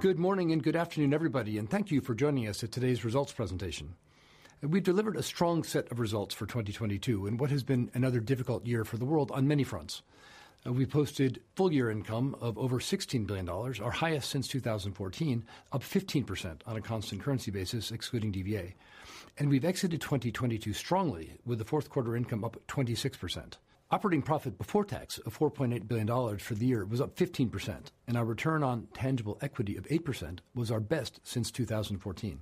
Good morning and good afternoon, everybody, thank you for joining us at today's results presentation. We've delivered a strong set of results for 2022 in what has been another difficult year for the world on many fronts. We posted full year income of over $16 billion, our highest since 2014, up 15% on a constant currency basis, excluding DVA. We've exited 2022 strongly with the Q4 income up 26%. Operating profit before tax of $4.8 billion for the year was up 15%. Our Return on Tangible Equity of 8% was our best since 2014.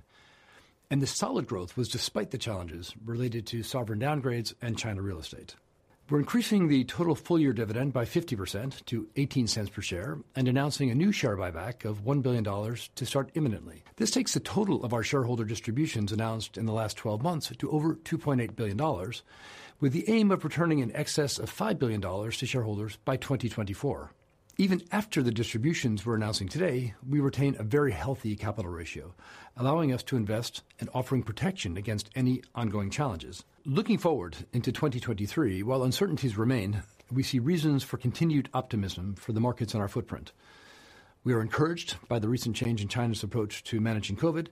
The solid growth was despite the challenges related to sovereign downgrades and China real estate. We're increasing the total full year dividend by 50% to $0.18 per share and announcing a new share buyback of $1 billion to start imminently. This takes the total of our shareholder distributions announced in the last 12 months to over $2.8 billion, with the aim of returning in excess of $5 billion to shareholders by 2024. Even after the distributions we're announcing today, we retain a very healthy capital ratio, allowing us to invest in offering protection against any ongoing challenges. Looking forward into 2023, while uncertainties remain, we see reasons for continued optimism for the markets and our footprint. We are encouraged by the recent change in China's approach to managing COVID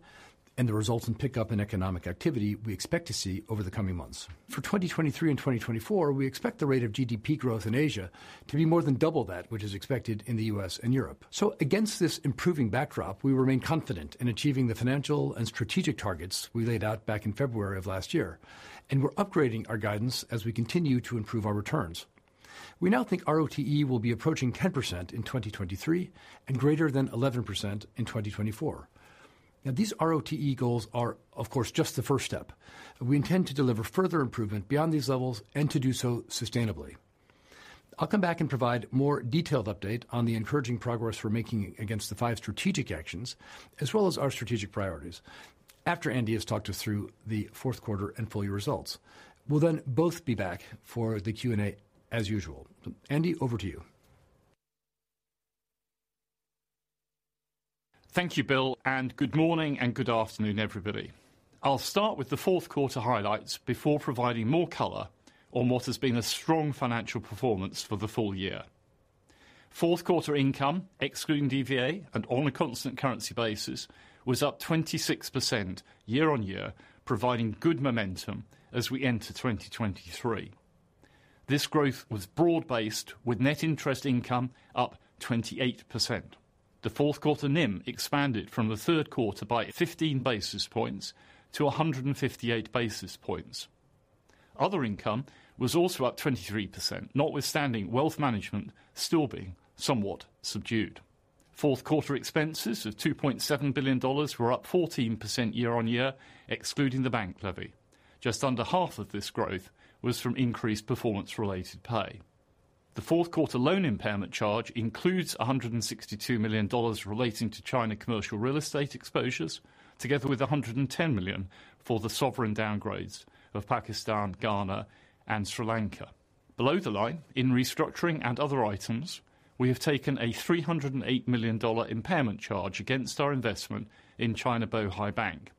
and the resultant pickup in economic activity we expect to see over the coming months. For 2023 and 2024, we expect the rate of GDP growth in Asia to be more than double that which is expected in the U.S. and Europe. Against this improving backdrop, we remain confident in achieving the financial and strategic targets we laid out back in February of last year. We're upgrading our guidance as we continue to improve our returns. We now think ROTE will be approaching 10% in 2023 and greater than 11% in 2024. These ROTE goals are, of course, just the 1st step. We intend to deliver further improvement beyond these levels and to do so sustainably. I'll come back and provide more detailed update on the encouraging progress we're making against the 5 strategic actions, as well as our strategic priorities after Andy has talked us through the Q4 and full year results. We'll both be back for the Q&A as usual. Andy, over to you. Thank you, Bill. Good morning and good afternoon, everybody. I'll start with the Q4 highlights before providing more color on what has been a strong financial performance for the full year. Q4 income, excluding DVA and on a constant currency basis, was up 26% year-on-year, providing good momentum as we enter 2023. This growth was broad-based, with net interest income up 28%. The Q4 NIM expanded from the Q3 by 15 basis points to 158 basis points. Other income was also up 23%, notwithstanding wealth management still being somewhat subdued. Q4 expenses of $2.7 billion were up 14% year-on-year, excluding the bank levy. Just under half of this growth was from increased performance-related pay. The Q4 loan impairment charge includes $162 million relating to China commercial real estate exposures, together with $110 million for the sovereign downgrades of Pakistan, Ghana, and Sri Lanka. Below the line, in restructuring and other items, we have taken a $308 million impairment charge against our investment in China Bohai Bank.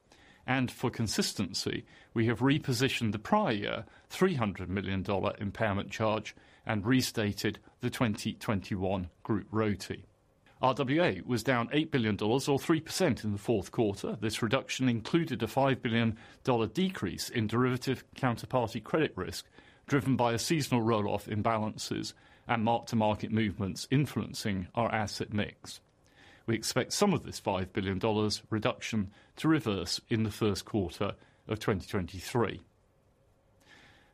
For consistency, we have repositioned the prior year $300 million impairment charge and restated the 2021 group ROTE. RWA was down $8 billion or 3% in the Q4. This reduction included a $5 billion decrease in derivative counterparty credit risk, driven by a seasonal roll-off imbalances and mark-to-market movements influencing our asset mix. We expect some of this $5 billion reduction to reverse in the Q1 of 2023.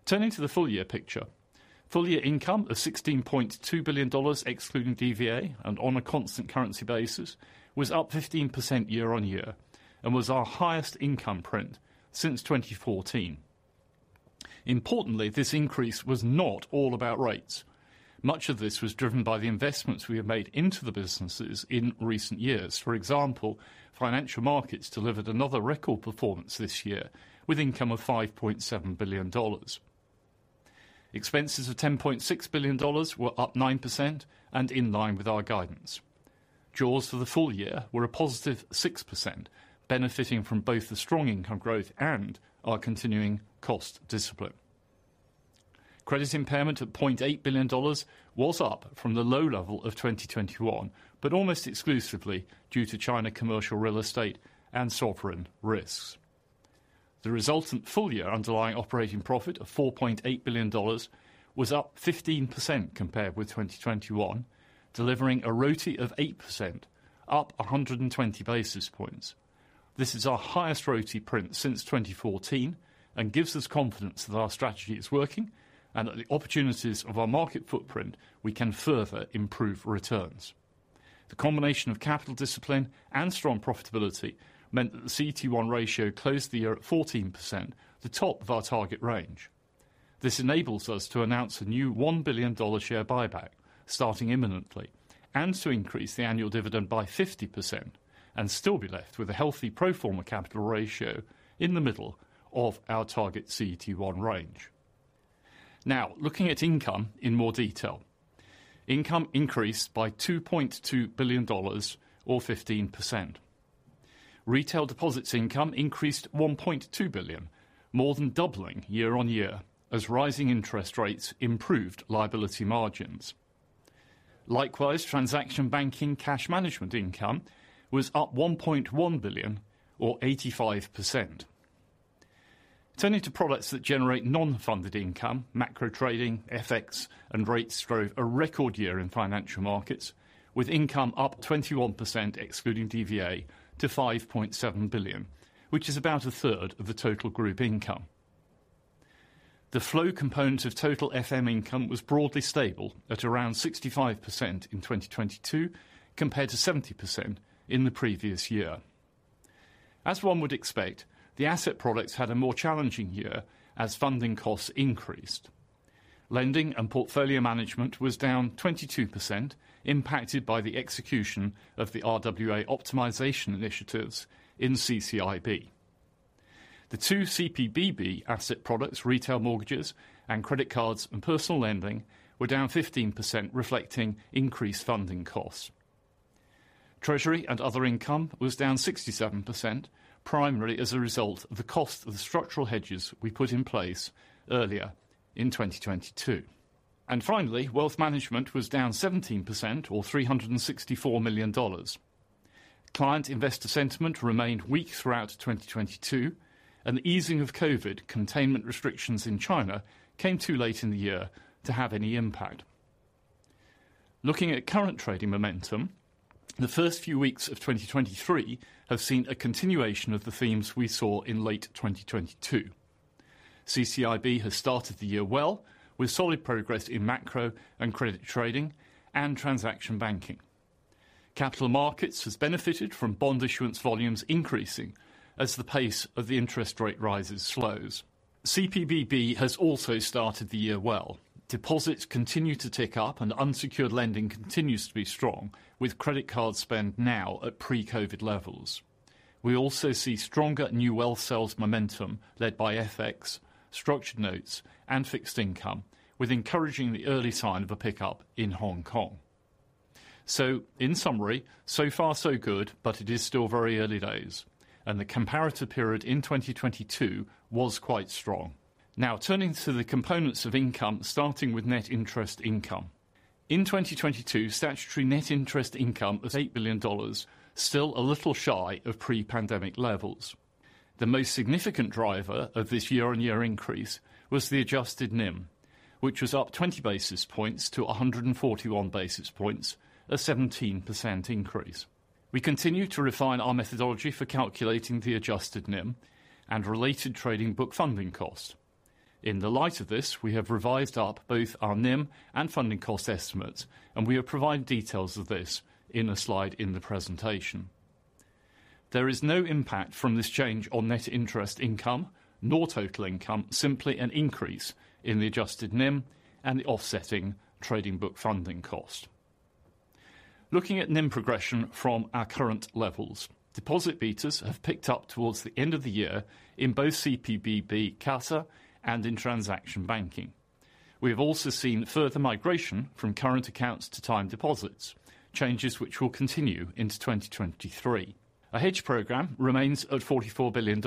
Turning to the full year picture. Full year income of $16.2 billion, excluding DVA and on a constant currency basis, was up 15% year-on-year and was our highest income print since 2014. Importantly, this increase was not all about rates. Much of this was driven by the investments we have made into the businesses in recent years. For example, financial markets delivered another record performance this year with income of $5.7 billion. Expenses of $10.6 billion were up 9% and in line with our guidance. Jaws for the full year were a positive 6%, benefiting from both the strong income growth and our continuing cost discipline. Credit impairment of $0.8 billion was up from the low level of 2021, but almost exclusively due to China commercial real estate and sovereign risks. The resultant full year underlying operating profit of $4.8 billion was up 15% compared with 2021, delivering a ROTE of 8%, up 120 basis points. This is our highest ROTE print since 2014 and gives us confidence that our strategy is working and that the opportunities of our market footprint we can further improve returns. The combination of capital discipline and strong profitability meant that the CET1 ratio closed the year at 14%, the top of our target range. This enables us to announce a new $1 billion share buyback starting imminently, and to increase the annual dividend by 50% and still be left with a healthy pro forma capital ratio in the middle of our target CET1 range. Looking at income in more detail. Income increased by $2.2 billion or 15%. Retail deposits income increased $1.2 billion, more than doubling year-on-year as rising interest rates improved liability margins. Likewise, transaction banking cash management income was up $1.1 billion or 85%. Turning to products that generate non-funded income, macro trading, FX and rates drove a record year in financial markets with income up 21% excluding DVA to $5.7 billion, which is about 1/3 of the total group income. The flow component of total FM income was broadly stable at around 65% in 2022 compared to 70% in the previous year. As 1 would expect, the asset products had a more challenging year as funding costs increased. Lending and portfolio management was down 22% impacted by the execution of the RWA optimization initiatives in CCIB. The 2 CPBB asset products, retail mortgages and credit cards and personal lending were down 15%, reflecting increased funding costs. Treasury and other income was down 67%, primarily as a result of the cost of the structural hedges we put in place earlier in 2022. Finally, wealth management was down 17% or $364 million. Client investor sentiment remained weak throughout 2022, and the easing of COVID containment restrictions in China came too late in the year to have any impact. Looking at current trading momentum, the 1st few weeks of 2023 have seen a continuation of the themes we saw in late 2022. CCIB has started the year well with solid progress in macro and credit trading and transaction banking. Capital markets has benefited from bond issuance volumes increasing as the pace of the interest rate rises slows. CPBB has also started the year well. Deposits continue to tick up, and unsecured lending continues to be strong with credit card spend now at pre-COVID levels. We also see stronger new wealth sales momentum led by FX, structured notes and fixed income, with encouraging the early sign of a pickup in Hong Kong. In summary, so far so good, but it is still very early days, and the comparator period in 2022 was quite strong. Turning to the components of income, starting with net interest income. In 2022, statutory net interest income was $8 billion, still a little shy of pre-pandemic levels. The most significant driver of this year-on-year increase was the adjusted NIM, which was up 20 basis points to 141 basis points, a 17% increase. We continue to refine our methodology for calculating the adjusted NIM and related trading book funding cost. In the light of this, we have revised up both our NIM and funding cost estimates, and we have provided details of this in a slide in the presentation. There is no impact from this change on net interest income nor total income, simply an increase in the adjusted NIM and the offsetting trading book funding cost. Looking at NIM progression from our current levels, deposit betas have picked up towards the end of the year in both CPBB, CASA and in transaction banking. We have also seen further migration from current accounts to time deposits, changes which will continue into 2023. A hedge program remains at $44 billion.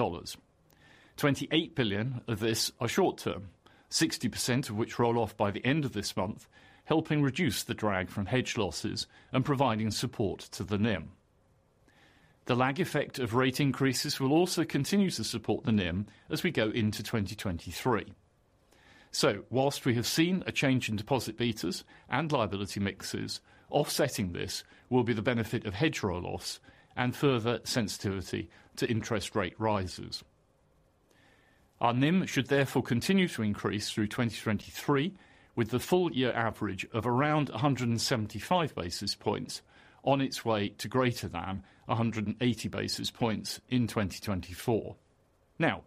$28 billion of this are short term, 60% of which roll off by the end of this month, helping reduce the drag from hedge losses and providing support to the NIM. The lag effect of rate increases will also continue to support the NIM as we go into 2023. Whilst we have seen a change in deposit betas and liability mixes, offsetting this will be the benefit of hedge roll loss and further sensitivity to interest rate rises. Our NIM should therefore continue to increase through 2023, with the full year average of around 175 basis points on its way to greater than 180 basis points in 2024.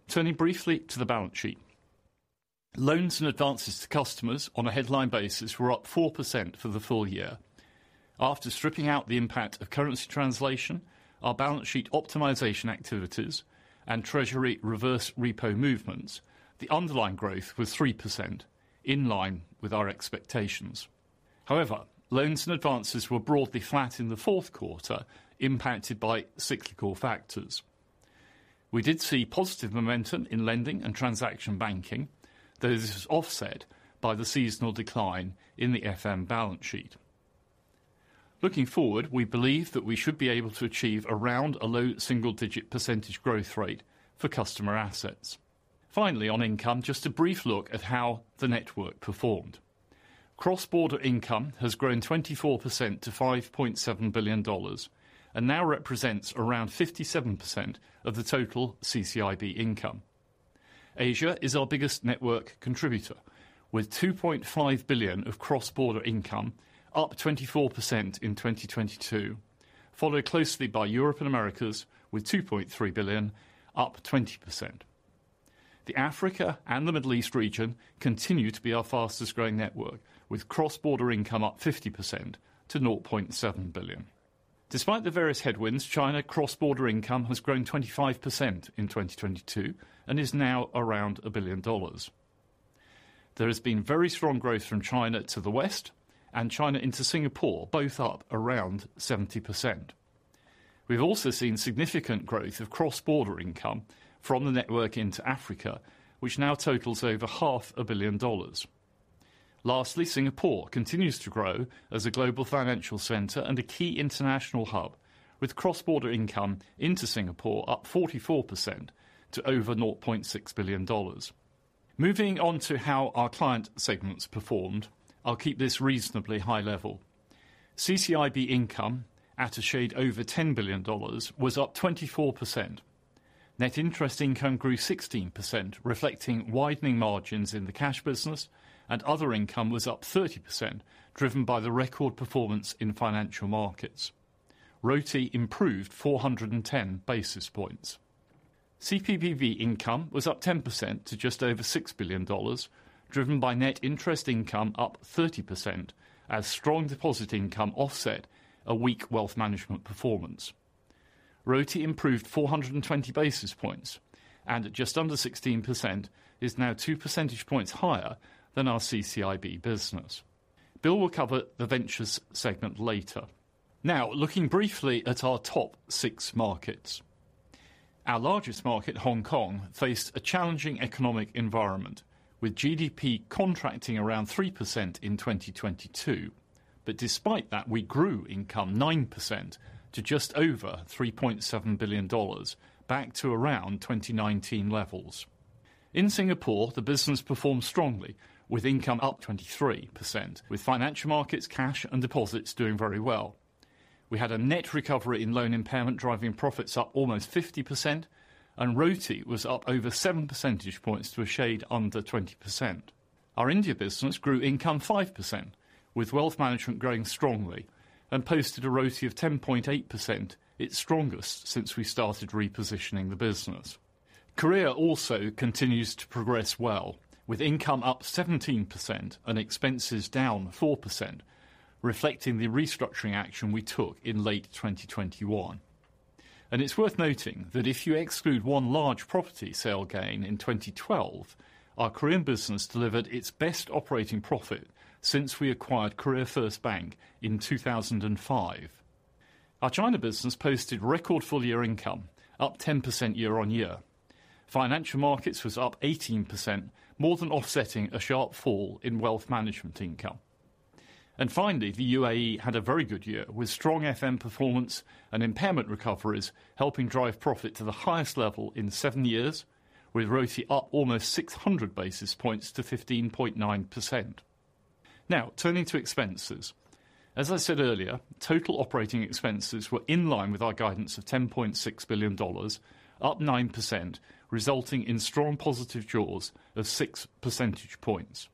Turning briefly to the balance sheet. Loans and advances to customers on a headline basis were up 4% for the full year. After stripping out the impact of currency translation, our balance sheet optimization activities and treasury reverse repo movements, the underlying growth was 3% in line with our expectations. However, loans and advances were broadly flat in the Q4, impacted by cyclical factors. We did see positive momentum in lending and transaction banking, though this was offset by the seasonal decline in the FM balance sheet. Looking forward, we believe that we should be able to achieve around a low single digit percentage growth rate for customer assets. Finally, on income, just a brief look at how the network performed. Cross-border income has grown 24% to $5.7 billion and now represents around 57% of the total CCIB income. Asia is our biggest network contributor with $2.5 billion of cross-border income, up 24% in 2022, followed closely by Europe and Americas with $2.3 billion up 20%. The Africa and the Middle East region continue to be our fastest-growing network, with cross-border income up 50% to $0.7 billion. Despite the various headwinds, China cross-border income has grown 25% in 2022 and is now around $1 billion. There has been very strong growth from China to the West and China into Singapore, both up around 70%. We've also seen significant growth of cross-border income from the network into Africa, which now totals over $500 million. Lastly, Singapore continues to grow as a global financial center and a key international hub, with cross-border income into Singapore up 44% to over $0.6 billion. Moving on to how our client segments performed, I'll keep this reasonably high level. CCIB income at a shade over $10 billion was up 24%. Net interest income grew 16%, reflecting widening margins in the cash business, and other income was up 30%, driven by the record performance in financial markets. ROTE improved 410 basis points. CPBB income was up 10% to just over $6 billion, driven by net interest income up 30% as strong deposit income offset a weak wealth management performance. ROTE improved 420 basis points and at just under 16% is now 2% points higher than our CCIB business. Bill will cover the ventures segment later. Looking briefly at our top 6 markets. Our largest market, Hong Kong, faced a challenging economic environment, with GDP contracting around 3% in 2022. Despite that, we grew income 9% to just over $3.7 billion back to around 2019 levels. In Singapore, the business performed strongly with income up 23%, with financial markets, cash, and deposits doing very well. We had a net recovery in loan impairment, driving profits up almost 50%, and ROTE was up over 7% points to a shade under 20%. Our India business grew income 5%, with wealth management growing strongly and posted a ROTE of 10.8%, its strongest since we started repositioning the business. Korea also continues to progress well, with income up 17% and expenses down 4%, reflecting the restructuring action we took in late 2021. It's worth noting that if you exclude 1 large property sale gain in 2012, our Korean business delivered its best operating profit since we acquired Korea First Bank in 2005. Our China business posted record full-year income, up 10% year-over-year. Financial markets was up 18%, more than offsetting a sharp fall in wealth management income. Finally, the UAE had a very good year, with strong FM performance and impairment recoveries helping drive profit to the highest level in 7 years, with ROTE up almost 600 basis points to 15.9%. Turning to expenses. As I said earlier, total operating expenses were in line with our guidance of $10.6 billion, up 9%, resulting in strong positive Jaws of 6% points.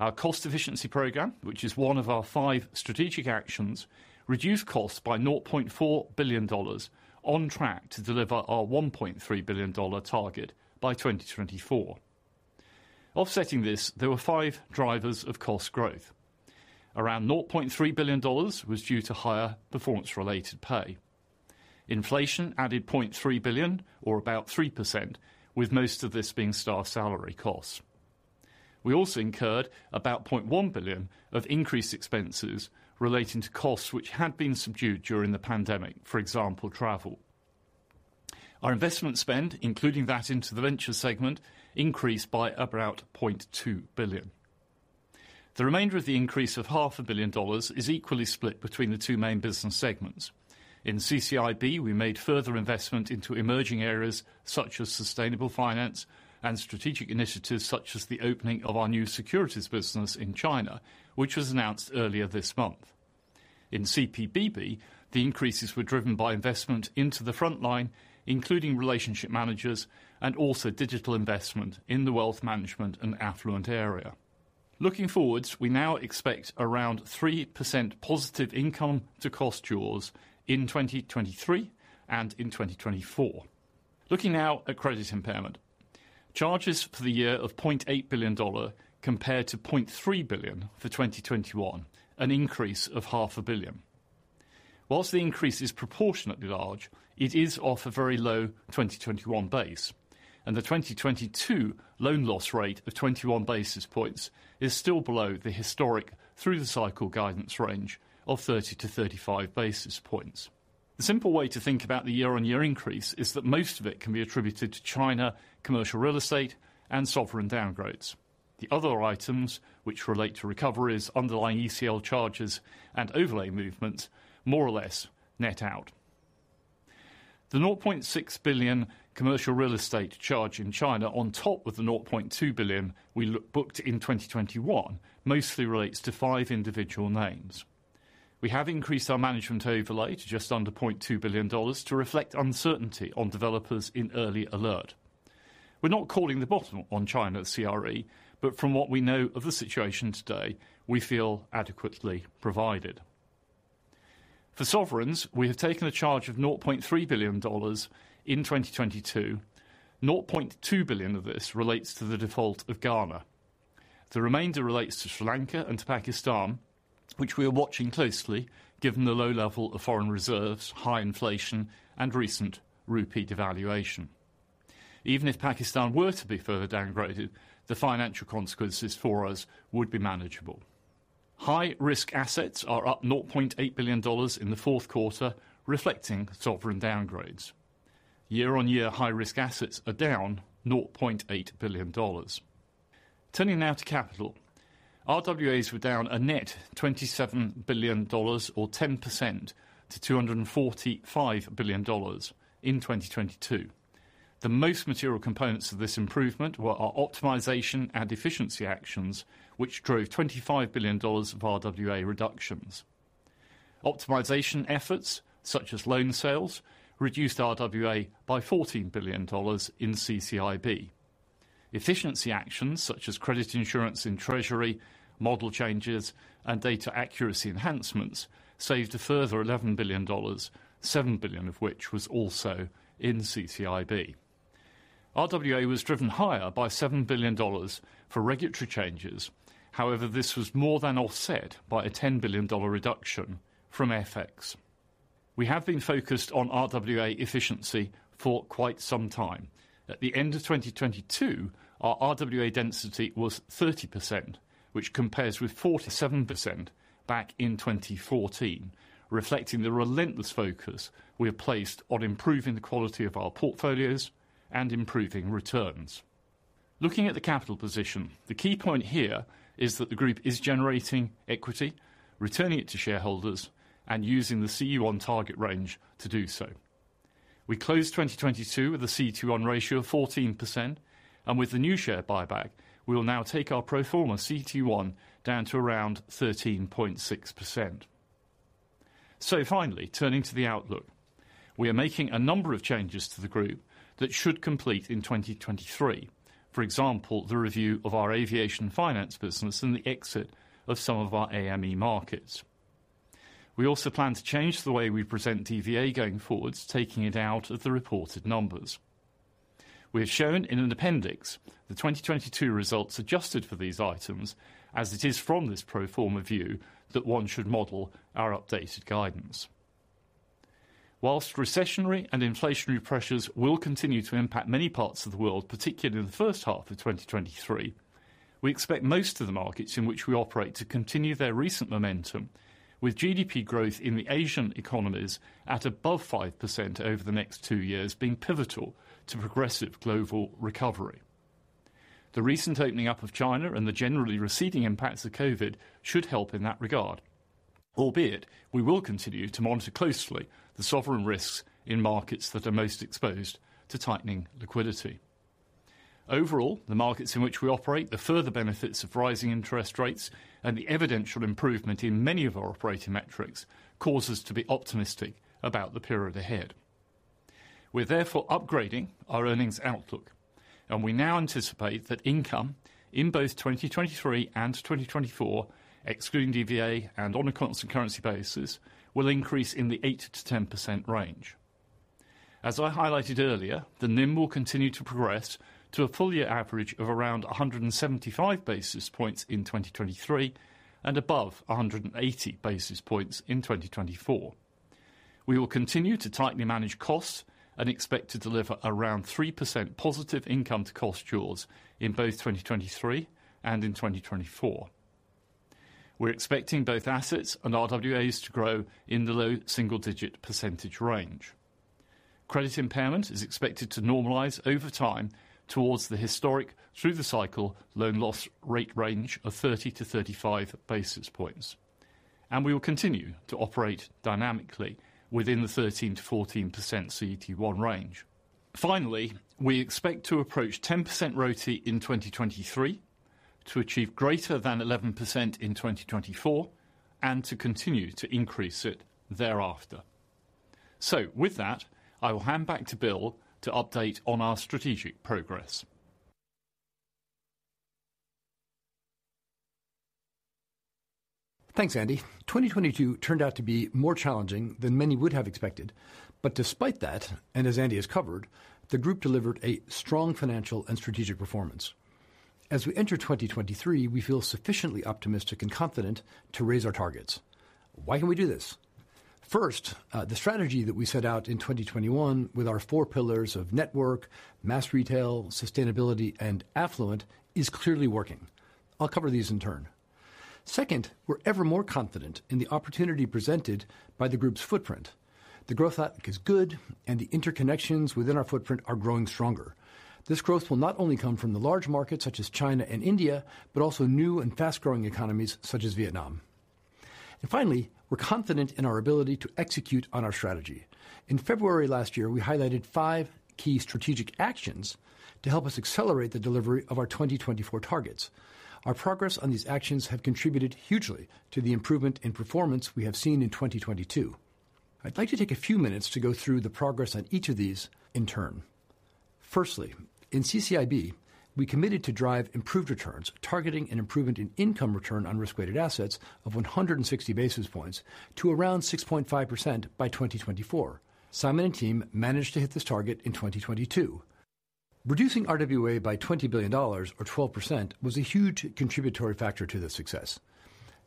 Our cost efficiency program, which is 1 of our 5 strategic actions, reduced costs by $0.4 billion on track to deliver our $1.3 billion target by 2024. Offsetting this, there were 5 drivers of cost growth. Around $0.3 billion was due to higher performance-related pay. Inflation added $0.3 billion or about 3%, with most of this being staff salary costs. We also incurred about $0.1 billion of increased expenses relating to costs which had been subdued during the pandemic, for example, travel. Our investment spend, including that into the ventures segment, increased by about $0.2 billion. The remainder of the increase of $500 million is equally split between the 2 main business segments. In CCIB, we made further investment into emerging areas such as sustainable finance and strategic initiatives such as the opening of our new securities business in China, which was announced earlier this month. In CPBB, the increases were driven by investment into the front line, including relationship managers and also digital investment in the wealth management and affluent area. Looking forward, we now expect around 3% positive income to cost Jaws in 2023 and in 2024. Looking now at credit impairment. Charges for the year of $0.8 billion compared to $0.3 billion for 2021, an increase of $500 million. Whilst the increase is proportionately large, it is off a very low 2021 base, and the 2022 loan loss rate of 21 basis points is still below the historic through the cycle guidance range of 30 to 35 basis points. The simple way to think about the year-on-year increase is that most of it can be attributed to China commercial real estate and sovereign downgrades. The other items which relate to recoveries underlying ECL charges and overlay movement more or less net out. The $0.6 billion commercial real estate charge in China on top of the $0.2 billion we booked in 2021 mostly relates to 5 individual names. We have increased our management overlay to just under $0.2 billion to reflect uncertainty on developers in early alert. We're not calling the bottom on China CRE, but from what we know of the situation today, we feel adequately provided. For sovereigns, we have taken a charge of $0.3 billion in 2022. $0.2 billion of this relates to the default of Ghana. The remainder relates to Sri Lanka and to Pakistan. Which we are watching closely given the low level of foreign reserves, high inflation, and recent rupee devaluation. Even if Pakistan were to be further downgraded, the financial consequences for us would be manageable. High risk assets are up $0.8 billion in the Q4, reflecting sovereign downgrades. Year-over-year, high risk assets are down $0.8 billion. Turning now to capital. RWAs were down a net $27 billion or 10% to $245 billion in 2022. The most material components of this improvement were our optimization and efficiency actions, which drove $25 billion of RWA reductions. Optimization efforts, such as loan sales, reduced RWA by $14 billion in CCIB. Efficiency actions such as credit insurance in treasury, model changes, and data accuracy enhancements saved a further $11 billion, $7 billion of which was also in CCIB. RWA was driven higher by $7 billion for regulatory changes. This was more than offset by a $10 billion reduction from FX. We have been focused on RWA efficiency for quite some time. At the end of 2022, our RWA density was 30%, which compares with 47% back in 2014, reflecting the relentless focus we have placed on improving the quality of our portfolios and improving returns. Looking at the capital position, the key point here is that the group is generating equity, returning it to shareholders, and using the CET1 on target range to do so. We closed 2022 with a CET1 ratio of 14% and with the new share buyback, we will now take our pro forma CET1 down to around 13.6%. Finally, turning to the outlook. We are making a number of changes to the group that should complete in 2023. For example, the review of our aviation finance business and the exit of some of our AME markets. We also plan to change the way we present DVA going forwards, taking it out of the reported numbers. We have shown in an appendix the 2022 results adjusted for these items as it is from this pro forma view that 1 should model our updated guidance. Whilst recessionary and inflationary pressures will continue to impact many parts of the world, particularly in the H1 of 2023, we expect most of the markets in which we operate to continue their recent momentum with GDP growth in the Asian economies at above 5% over the next 2 years being pivotal to progressive global recovery. The recent opening up of China and the generally receding impacts of Covid should help in that regard. Albeit we will continue to monitor closely the sovereign risks in markets that are most exposed to tightening liquidity. Overall, the markets in which we operate, the further benefits of rising interest rates, and the evidential improvement in many of our operating metrics cause us to be optimistic about the period ahead. We now anticipate that income in both 2023 and 2024, excluding DVA and on a constant currency basis, will increase in the 8%-10% range. As I highlighted earlier, the NIM will continue to progress to a full year average of around 175 basis points in 2023 and above 180 basis points in 2024. We will continue to tightly manage costs and expect to deliver around 3% positive income to cost jaws in both 2023 and in 2024. We're expecting both assets and RWAs to grow in the low single digit percentage range. Credit impairment is expected to normalize over time towards the historic through the cycle loan loss rate range of 30-35 basis points. We will continue to operate dynamically within the 13%-14% CET1 range. Finally, we expect to approach 10% ROTE in 2023 to achieve greater than 11% in 2024 and to continue to increase it thereafter. With that, I will hand back to Bill to update on our strategic progress. Thanks, Andy. 2022 turned out to be more challenging than many would have expected. Despite that, and as Andy has covered, the group delivered a strong financial and strategic performance. As we enter 2023, we feel sufficiently optimistic and confident to raise our targets. Why can we do this? 1st, the strategy that we set out in 2021 with our 4 pillars of network, mass retail, sustainability, and affluent is clearly working. I'll cover these in turn. 2nd, we're ever more confident in the opportunity presented by the group's footprint. The growth outlook is good and the interconnections within our footprint are growing stronger. This growth will not only come from the large markets such as China and India, but also new and fast-growing economies such as Vietnam. Finally, we're confident in our ability to execute on our strategy. In February last year, we highlighted 5 key strategic actions to help us accelerate the delivery of our 2024 targets. Our progress on these actions have contributed hugely to the improvement in performance we have seen in 2022. I'd like to take a few minutes to go through the progress on each of these in turn. Firstly, in CCIB, we committed to drive improved returns, targeting an improvement in income return on risk-weighted assets of 160 basis points to around 6.5% by 2024. Simon and team managed to hit this target in 2022. Reducing RWA by $20 billion or 12% was a huge contributory factor to the success.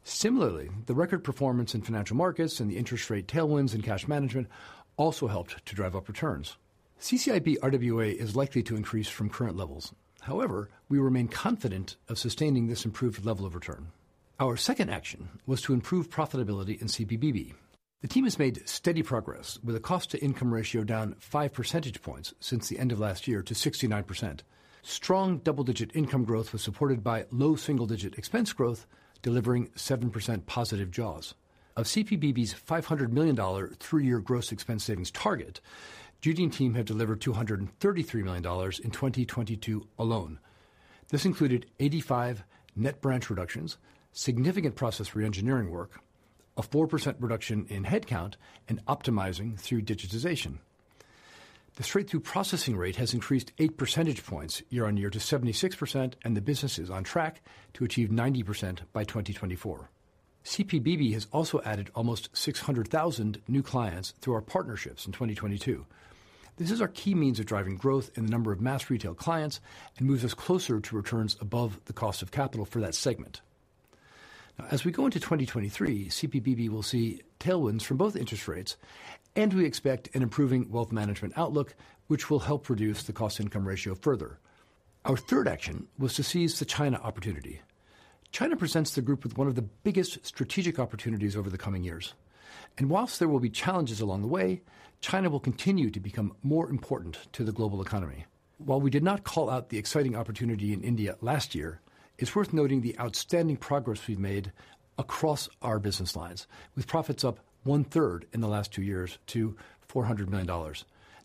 Similarly, the record performance in financial markets and the interest rate tailwinds and cash management also helped to drive up returns. CCIB RWA is likely to increase from current levels. We remain confident of sustaining this improved level of return. Our 2nd action was to improve profitability in CPBB. The team has made steady progress with a cost-to-income ratio down 5% points since the end of last year to 69%. Strong double-digit income growth was supported by low single-digit expense growth, delivering 7% positive jaws. Of CPBB's $500 million 3-year gross expense savings target, Judy and team have delivered $233 million in 2022 alone. This included 85 net branch reductions, significant process reengineering work, a 4% reduction in headcount, and optimizing through digitization. The straight-through processing rate has increased 8% points year-on-year to 76%, and the business is on track to achieve 90% by 2024. CPBB has also added almost 600,000 new clients through our partnerships in 2022. As we go into 2023, CPBB will see tailwinds from both interest rates, and we expect an improving wealth management outlook, which will help reduce the cost income ratio further. Our 3rd action was to seize the China opportunity. China presents the group with 1 of the biggest strategic opportunities over the coming years. Whilst there will be challenges along the way, China will continue to become more important to the global economy. While we did not call out the exciting opportunity in India last year, it's worth noting the outstanding progress we've made across our business lines, with profits up 1/3 in the last 2 years to $400 million,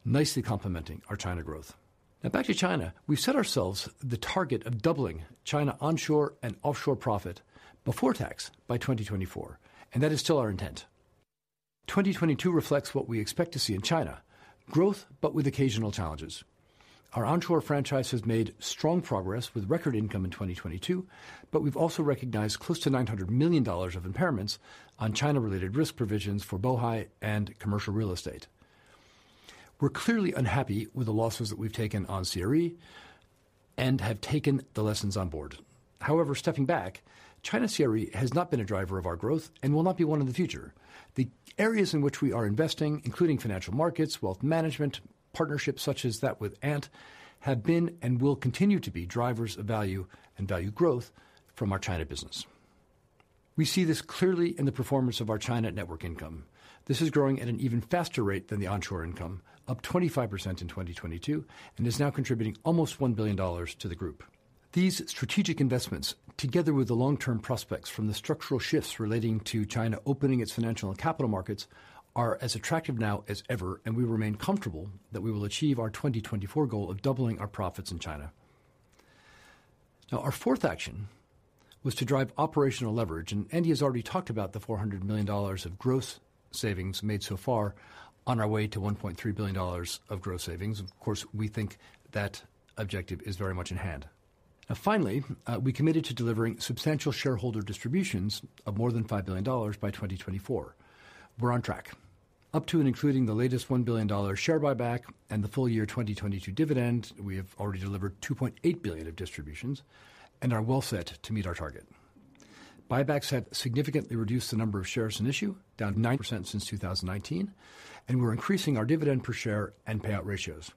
nicely complementing our China growth. Back to China. We've set ourselves the target of doubling China onshore and offshore profit before tax by 2024, that is still our intent. 2022 reflects what we expect to see in China, growth, with occasional challenges. Our onshore franchise has made strong progress with record income in 2022, we've also recognized close to $900 million of impairments on China-related risk provisions for Bohai and commercial real estate. We're clearly unhappy with the losses that we've taken on CRE, have taken the lessons on board. Stepping back, China CRE has not been a driver of our growth, will not be 1 in the future. The areas in which we are investing, including financial markets, wealth management, partnerships such as that with Ant, have been and will continue to be drivers of value and value growth from our China business. We see this clearly in the performance of our China network income. This is growing at an even faster rate than the onshore income, up 25% in 2022, and is now contributing almost $1 billion to the group. These strategic investments, together with the long-term prospects from the structural shifts relating to China opening its financial and capital markets, are as attractive now as ever, and we remain comfortable that we will achieve our 2024 goal of doubling our profits in China. Our 4th action was to drive operational leverage, and Andy has already talked about the $400 million of gross savings made so far on our way to $1.3 billion of gross savings. Of course, we think that objective is very much in hand. Finally, we committed to delivering substantial shareholder distributions of more than $5 billion by 2024. We're on track. Up to and including the latest $1 billion share buyback and the full year 2022 dividend, we have already delivered $2.8 billion of distributions and are well set to meet our target. Buybacks have significantly reduced the number of shares in issue, down 9% since 2019, and we're increasing our dividend per share and payout ratios.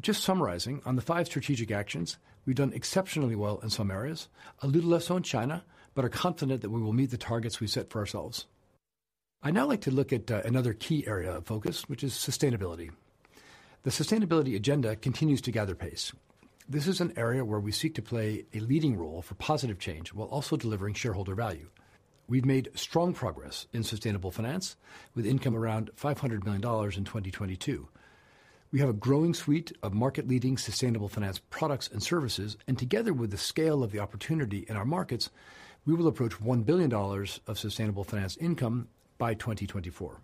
Just summarizing on the 5 strategic actions, we've done exceptionally well in some areas, a little less so in China, but are confident that we will meet the targets we set for ourselves. I now like to look at another key area of focus, which is sustainability. The sustainability agenda continues to gather pace. This is an area where we seek to play a leading role for positive change while also delivering shareholder value. We've made strong progress in sustainable finance with income around $500 million in 2022. We have a growing suite of market leading sustainable finance products and services, and together with the scale of the opportunity in our markets, we will approach $1 billion of sustainable finance income by 2024.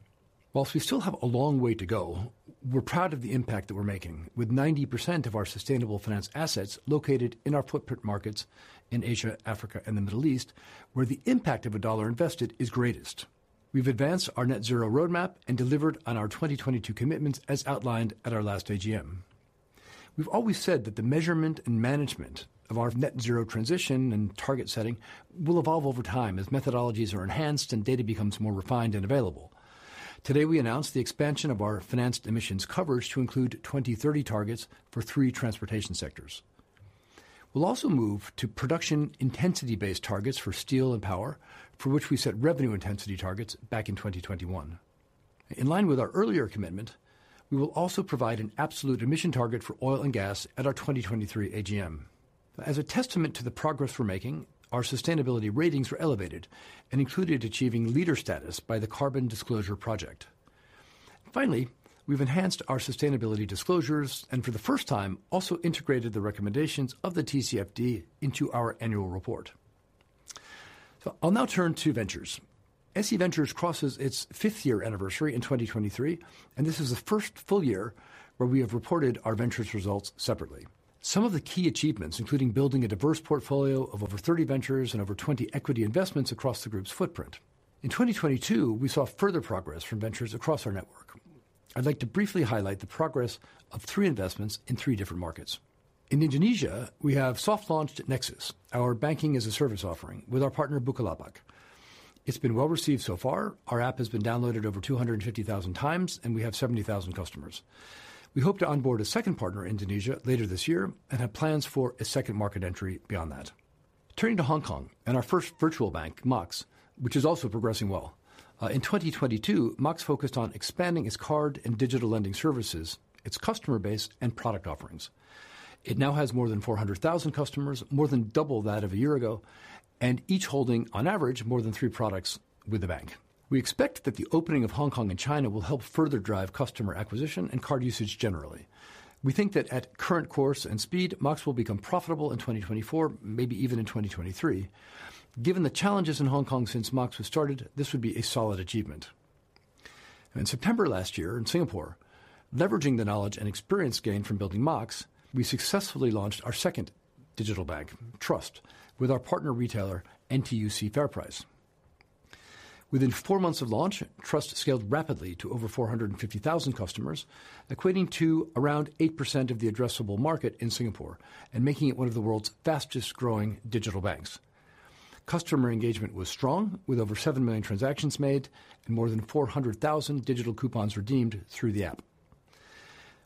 Whilst we still have a long way to go, we're proud of the impact that we're making with 90% of our sustainable finance assets located in our footprint markets in Asia, Africa, and the Middle East, where the impact of a dollar invested is greatest. We've advanced our net zero roadmap and delivered on our 2022 commitments as outlined at our last AGM. We've always said that the measurement and management of our net zero transition and target setting will evolve over time as methodologies are enhanced and data becomes more refined and available. Today, we announced the expansion of our financed emissions coverage to include 2030 targets for 3 transportation sectors. We'll also move to production intensity-based targets for steel and power, for which we set revenue intensity targets back in 2021. In line with our earlier commitment, we will also provide an absolute emission target for oil and gas at our 2023 AGM. As a testament to the progress we're making, our sustainability ratings were elevated and included achieving leader status by the Carbon Disclosure Project. We've enhanced our sustainability disclosures and for the first time, also integrated the recommendations of the TCFD into our annual report. I'll now turn to ventures. SC Ventures crosses its 5th year anniversary in 2023, and this is the first full year where we have reported our ventures results separately. Some of the key achievements, including building a diverse portfolio of over 30 ventures and over 20 equity investments across the group's footprint. In 2022, we saw further progress from ventures across our network. I'd like to briefly highlight the progress of 3 investments in 3 different markets. In Indonesia, we have soft launched Nexus, our banking-as-a-service offering with our partner Bukalapak. It's been well received so far. Our app has been downloaded over 250,000 times. We have 70,000 customers. We hope to onboard a 2nd partner in Indonesia later this year and have plans for a 2nd market entry beyond that. Turning to Hong Kong and our 1st virtual bank, Mox, which is also progressing well. In 2022, Mox focused on expanding its card and digital lending services, its customer base and product offerings. It now has more than 400,000 customers, more than double that of a year ago. Each holding on average more than 3 products with the bank. We expect that the opening of Hong Kong and China will help further drive customer acquisition and card usage generally. We think that at current course and speed, Mox will become profitable in 2024, maybe even in 2023. Given the challenges in Hong Kong since Mox was started, this would be a solid achievement. In September last year in Singapore, leveraging the knowledge and experience gained from building Mox, we successfully launched our 2nd digital bank, Trust, with our partner retailer NTUC FairPrice. Within 4 months of launch, Trust scaled rapidly to over 450,000 customers, equating to around 8% of the addressable market in Singapore and making it 1 of the world's fastest growing digital banks. Customer engagement was strong, with over 7 million transactions made and more than 400,000 digital coupons redeemed through the app.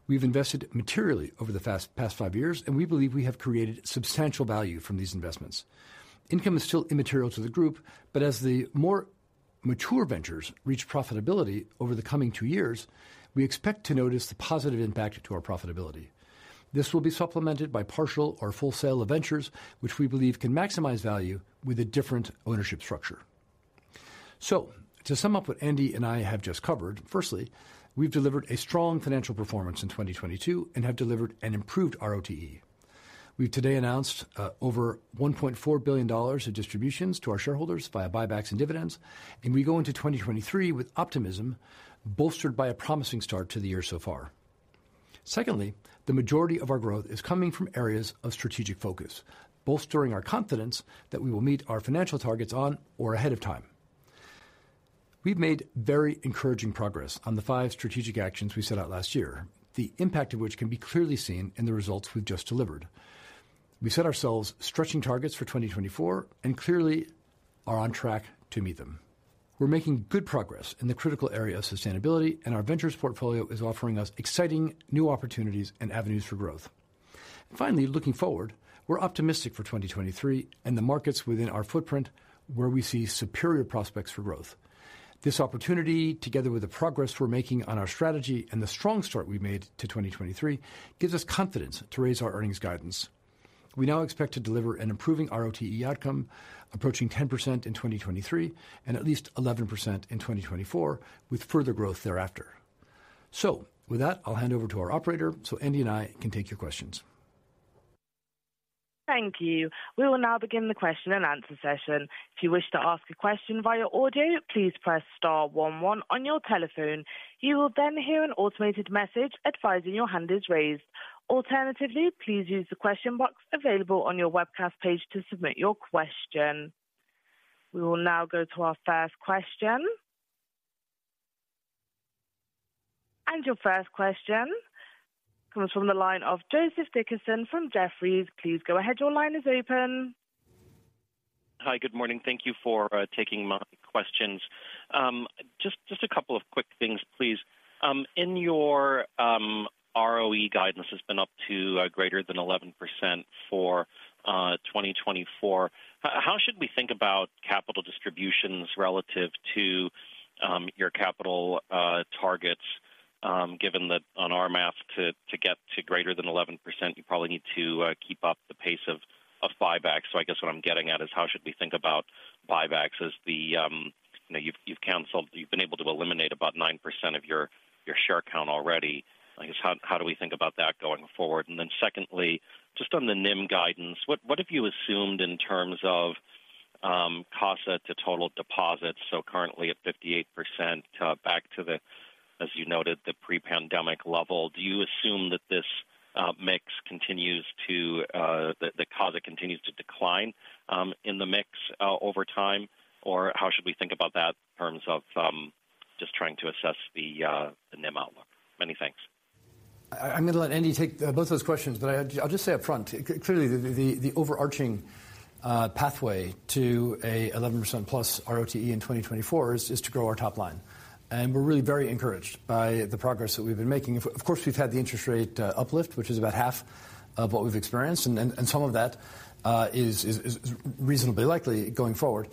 We've invested materially over the past 5 years, and we believe we have created substantial value from these investments. Income is still immaterial to the group, as the more mature ventures reach profitability over the coming 2 years, we expect to notice the positive impact to our profitability. This will be supplemented by partial or full sale of ventures which we believe can maximize value with a different ownership structure. To sum up what Andy and I have just covered, firstly, we've delivered a strong financial performance in 2022 and have delivered an improved ROTE. We've today announced over $1.4 billion of distributions to our shareholders via buybacks and dividends, and we go into 2023 with optimism bolstered by a promising start to the year so far. Secondly, the majority of our growth is coming from areas of strategic focus, bolstering our confidence that we will meet our financial targets on or ahead of time. We've made very encouraging progress on the 5 strategic actions we set out last year, the impact of which can be clearly seen in the results we've just delivered. We set ourselves stretching targets for 2024. Clearly are on track to meet them. We're making good progress in the critical area of sustainability. Our ventures portfolio is offering us exciting new opportunities and avenues for growth. Finally, looking forward, we're optimistic for 2023 and the markets within our footprint where we see superior prospects for growth. This opportunity, together with the progress we're making on our strategy and the strong start we made to 2023, gives us confidence to raise our earnings guidance. We now expect to deliver an improving ROTE outcome approaching 10% in 2023 and at least 11% in 2024, with further growth thereafter. With that, I'll hand over to our operator so Andy and I can take your questions. Thank you. We will now begin the question and answer session. If you wish to ask a question via audio, please press * 1 1 on your telephone. You will then hear an automated message advising your hand is raised. Alternatively, please use the question box available on your webcast page to submit your question. We will now go to our 1st question. Your 1st question comes from the line of Joseph Dickerson from Jefferies. Please go ahead. Your line is open. Hi. Good morning. Thank you for taking my questions. Just a couple of quick things, please. In your ROTE guidance has been up to greater than 11% for 2024. How should we think about capital distributions relative to your capital targets, given that on our math to get to greater than 11%, you probably need to keep up the pace of buybacks. I guess what I'm getting at is how should we think about buybacks as the, you know, you've been able to eliminate about 9% of your share count already. I guess how do we think about that going forward? Secondly, just on the NIM guidance, what have you assumed in terms of CASA to total deposits? Currently at 58%, back to the, as you noted, the pre-pandemic level. Do you assume that this mix continues to that CASA continues to decline in the mix over time? Or how should we think about that in terms of just trying to assess the NIM outlook? Many thanks. I'm going to let Andy take both those questions, but I'll just say up front, clearly the overarching pathway to a 11%+ ROTE in 2024 is to grow our top line. We're really very encouraged by the progress that we've been making. Of course, we've had the interest rate uplift, which is about half of what we've experienced. And some of that is reasonably likely going forward,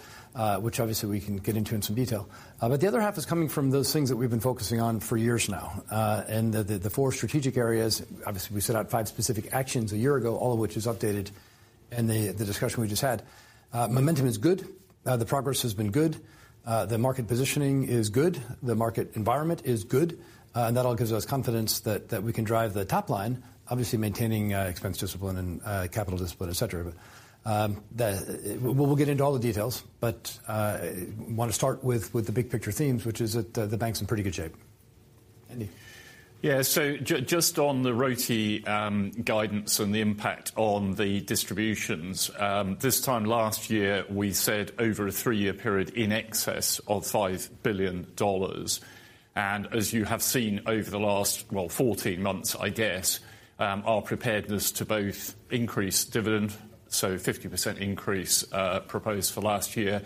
which obviously we can get into in some detail. But the other half is coming from those things that we've been focusing on for years now, and the 4 strategic areas. Obviously, we set out 5 specific actions a year ago, all of which is updated in the discussion we just had. Momentum is good. The progress has been good. The market positioning is good. The market environment is good. That all gives us confidence that we can drive the top line, obviously maintaining, expense discipline and, capital discipline, et cetera. We'll get into all the details, but, want to start with the big picture themes, which is that the bank's in pretty good shape. Just on the ROTE, guidance and the impact on the distributions, this time last year, we said over a 3-year period in excess of $5 billion. As you have seen over the last, well, 14 months, I guess, our preparedness to both increase dividend, so 50% increase, proposed for last year,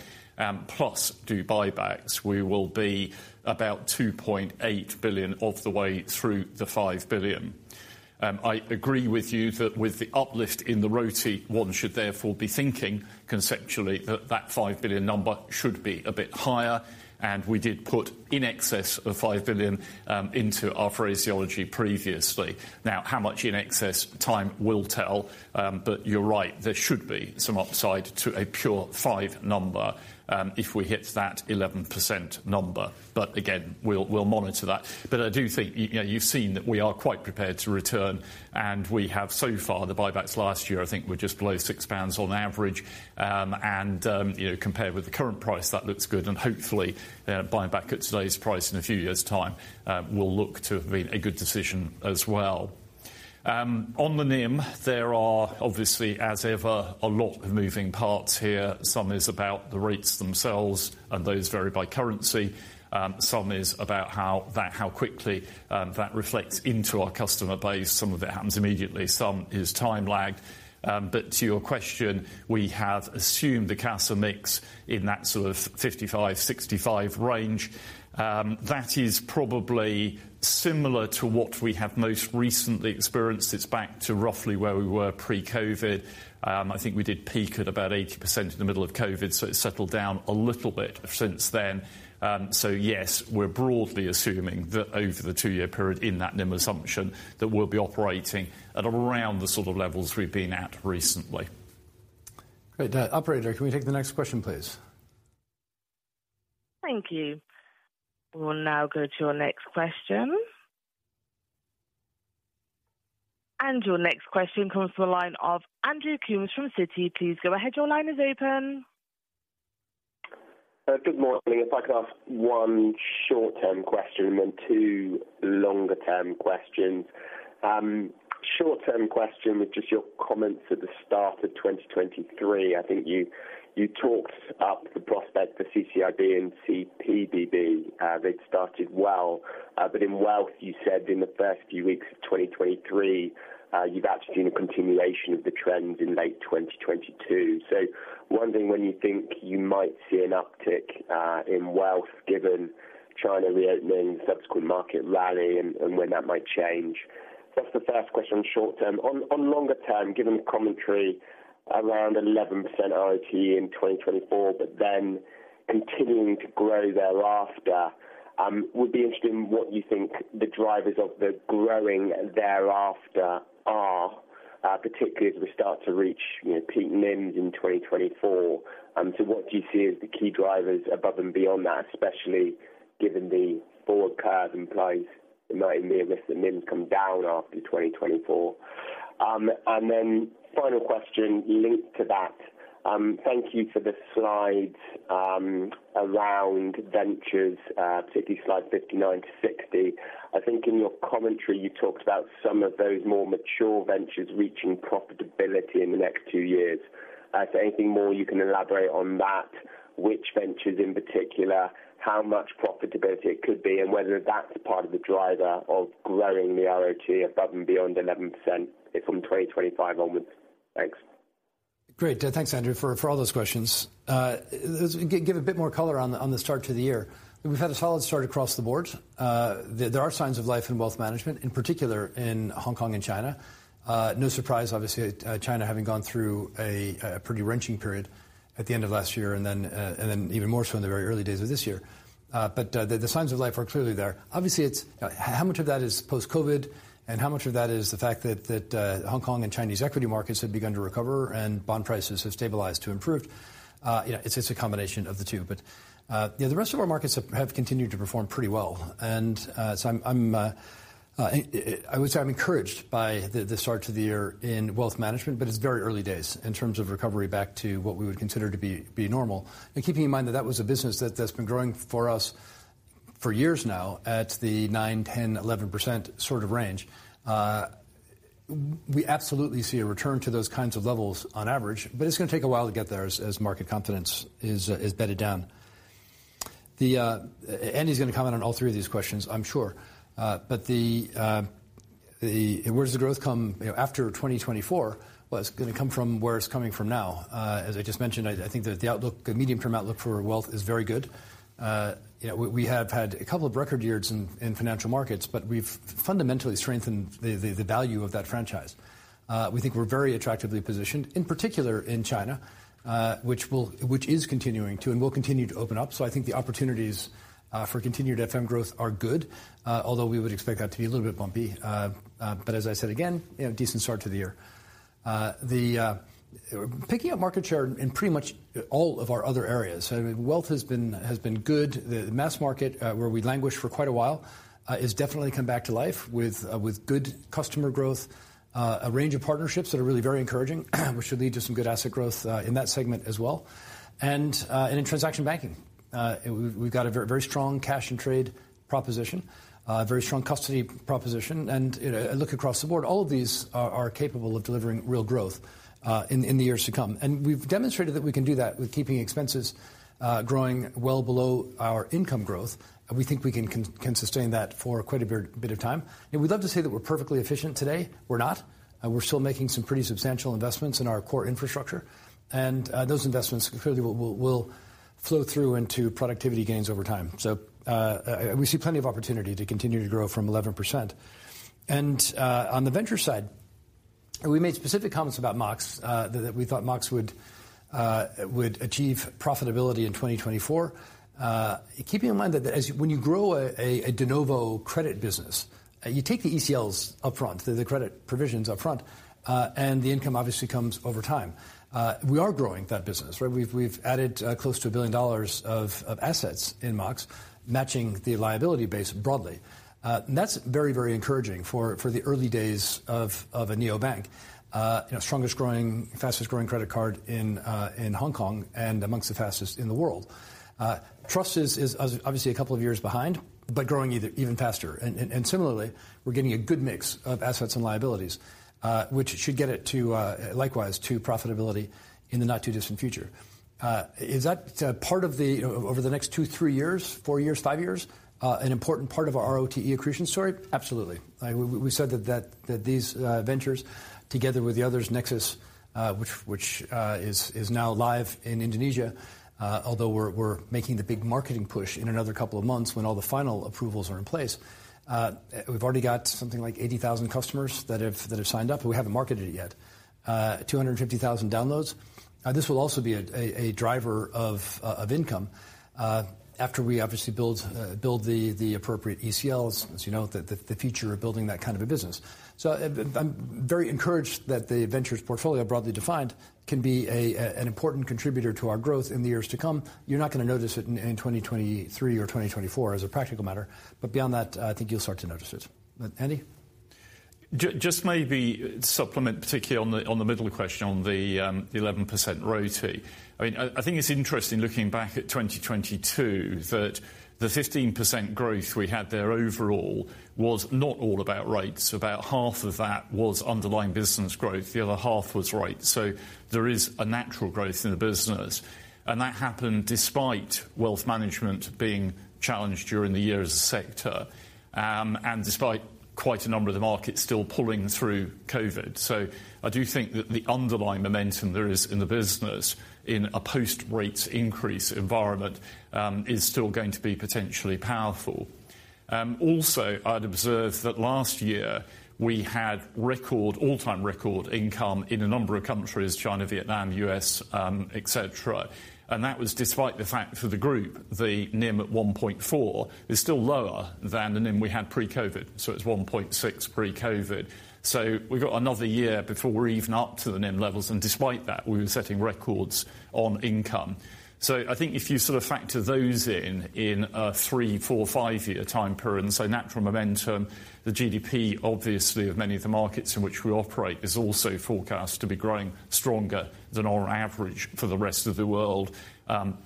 plus do buybacks, we will be about $2.8 billion of the way through the $5 billion. I agree with you that with the uplift in the ROTE, 1 should therefore be thinking conceptually that that $5 billion number should be a bit higher, and we did put in excess of $5 billion into our phraseology previously. How much in excess? Time will tell. You're right. There should be some upside to a pure 5 number, if we hit that 11% number. Again, we'll monitor that. I do think, you know, you've seen that we are quite prepared to return, and we have so far. The buybacks last year I think were just below 6 pounds on average. And, you know, compared with the current price, that looks good. Hopefully, buyback at today's price in a few years' time, will look to have been a good decision as well. On the NIM, there are obviously, as ever, a lot of moving parts here. Some is about the rates themselves, and those vary by currency. Some is about how that, how quickly, that reflects into our customer base. Some of it happens immediately, some is time lagged. To your question, we have assumed the CASA mix in that sort of 55-65% range. That is probably similar to what we have most recently experienced. It's back to roughly where we were pre-COVID. I think we did peak at about 80% in the middle of COVID, so it's settled down a little bit since then. Yes, we're broadly assuming that over the 2-year period in that NIM assumption, that we'll be operating at around the sort of levels we've been at recently. Great. Operator, can we take the next question, please? Thank you. We'll now go to your next question. Your next question comes from the line of Andrew Coombs from Citi. Please go ahead. Your line is open. Good morning. If I could ask 1 short-term question then 2 longer-term questions. Short-term question is just your comments at the start of 2023. I think you talked up the prospect for CCIB and CPBB, they'd started well. But in wealth, you said in the first few weeks of 2023, you've actually seen a continuation of the trend in late 2022. Wondering when you think you might see an uptick in wealth given China reopening, subsequent market rally and when that might change. That's the 1st question, short term. Longer term, given the commentary around 11% ROTE in 2024, continuing to grow thereafter, would be interested in what you think the drivers of the growing thereafter are, particularly as we start to reach, you know, peak NIMs in 2024. What do you see as the key drivers above and beyond that, especially given the forward curve implies it might mean that the NIMs come down after 2024? Final question linked to that. Thank you for the slides around ventures, particularly slides 59-60. I think in your commentary, you talked about some of those more mature ventures reaching profitability in the next 2 years. Anything more you can elaborate on that? Which ventures in particular, how much profitability it could be, and whether that's part of the driver of growing the ROTE above and beyond 11% from 2025 onwards? Thanks. Great. Thanks, Andrew, for all those questions. Let's give a bit more color on the start to the year. We've had a solid start across the board. There are signs of life in wealth management, in particular in Hong Kong and China. No surprise, obviously, China having gone through a pretty wrenching period at the end of last year, and then even more so in the very early days of this year. The signs of life are clearly there. Obviously, it's how much of that is post-COVID, and how much of that is the fact that Hong Kong and Chinese equity markets have begun to recover and bond prices have stabilized to improve? You know, it's a combination of the 2. You know, the rest of our markets have continued to perform pretty well. I'm, I would say I'm encouraged by the start to the year in wealth management, but it's very early days in terms of recovery back to what we would consider to be normal. Keeping in mind that that's been growing for us for years now at the 9%, 10%, 11% sort of range. We absolutely see a return to those kinds of levels on average, but it's gonna take a while to get there as market confidence is bedded down. Andy's gonna comment on all 3 of these questions, I'm sure. The where does the growth come, you know, after 2024? Well, it's gonna come from where it's coming from now. As I just mentioned, I think that the outlook, the medium-term outlook for wealth is very good. You know, we have had a couple of record years in financial markets, but we've fundamentally strengthened the value of that franchise. We think we're very attractively positioned, in particular in China, which is continuing to and will continue to open up. I think the opportunities for continued FM growth are good, although we would expect that to be a little bit bumpy. As I said, again, you know, decent start to the year. Picking up market share in pretty much all of our other areas. I mean, wealth has been good. The mass market, where we languished for quite a while, has definitely come back to life with good customer growth. A range of partnerships that are really very encouraging, which should lead to some good asset growth in that segment as well. In transaction banking, we've got a very strong cash and trade proposition, a very strong custody proposition. You know, look across the board, all of these are capable of delivering real growth in the years to come. We've demonstrated that we can do that with keeping expenses growing well below our income growth. We think we can sustain that for quite a bit of time. You know, we'd love to say that we're perfectly efficient today. We're not. We're still making some pretty substantial investments in our core infrastructure. Those investments clearly will flow through into productivity gains over time. We see plenty of opportunity to continue to grow from 11%. On the venture side, we made specific comments about Mox, that we thought Mox would achieve profitability in 2024. Keeping in mind that as when you grow a de novo credit business, you take the ECLs up front, the credit provisions up front, and the income obviously comes over time. We are growing that business, right? We've added close to $1 billion of assets in Mox, matching the liability base broadly. That's very encouraging for the early days of a neobank. you know, strongest growing, fastest growing credit card in Hong Kong and amongst the fastest in the world. Trust is obviously a couple of years behind, but growing even faster. Similarly, we're getting a good mix of assets and liabilities, which should get it to likewise to profitability in the not too distant future. Is that part of the, over the next 2, 3 years, 4 years, 5 years, an important part of our ROTE accretion story? Absolutely. We said that these ventures together with the others, Nexus, which is now live in Indonesia, although we're making the big marketing push in another couple of months when all the final approvals are in place. We've already got something like 80,000 customers that have signed up, but we haven't marketed it yet. 250,000 downloads. This will also be a driver of income, after we obviously build the appropriate ECLs, as you know, the future of building that kind of a business. I'm very encouraged that the ventures portfolio, broadly defined, can be an important contributor to our growth in the years to come. You're not going to notice it in 2023 or 2024 as a practical matter, but beyond that, I think you'll start to notice it. Andy? Just maybe supplement, particularly on the middle question, on the 11% ROTE. I mean, I think it's interesting looking back at 2022 that the 15% growth we had there overall was not all about rates. About half of that was underlying business growth, the other half was rates. There is a natural growth in the business, and that happened despite wealth management being challenged during the year as a sector, and despite quite a number of the markets still pulling through COVID. I do think that the underlying momentum there is in the business in a post rate increase environment, is still going to be potentially powerful. Also I'd observe that last year we had record, all-time record income in a number of countries China, Vietnam, US, et cetera. That was despite the fact for the group, the NIM at 1.4 is still lower than the NIM we had pre-COVID, so it's 1.6 pre-COVID. We've got another year before we're even up to the NIM levels, and despite that, we were setting records on income. I think if you sort of factor those in in a 3, 4 or 5-year time period, so natural momentum, the GDP obviously of many of the markets in which we operate is also forecast to be growing stronger than our average for the rest of the world.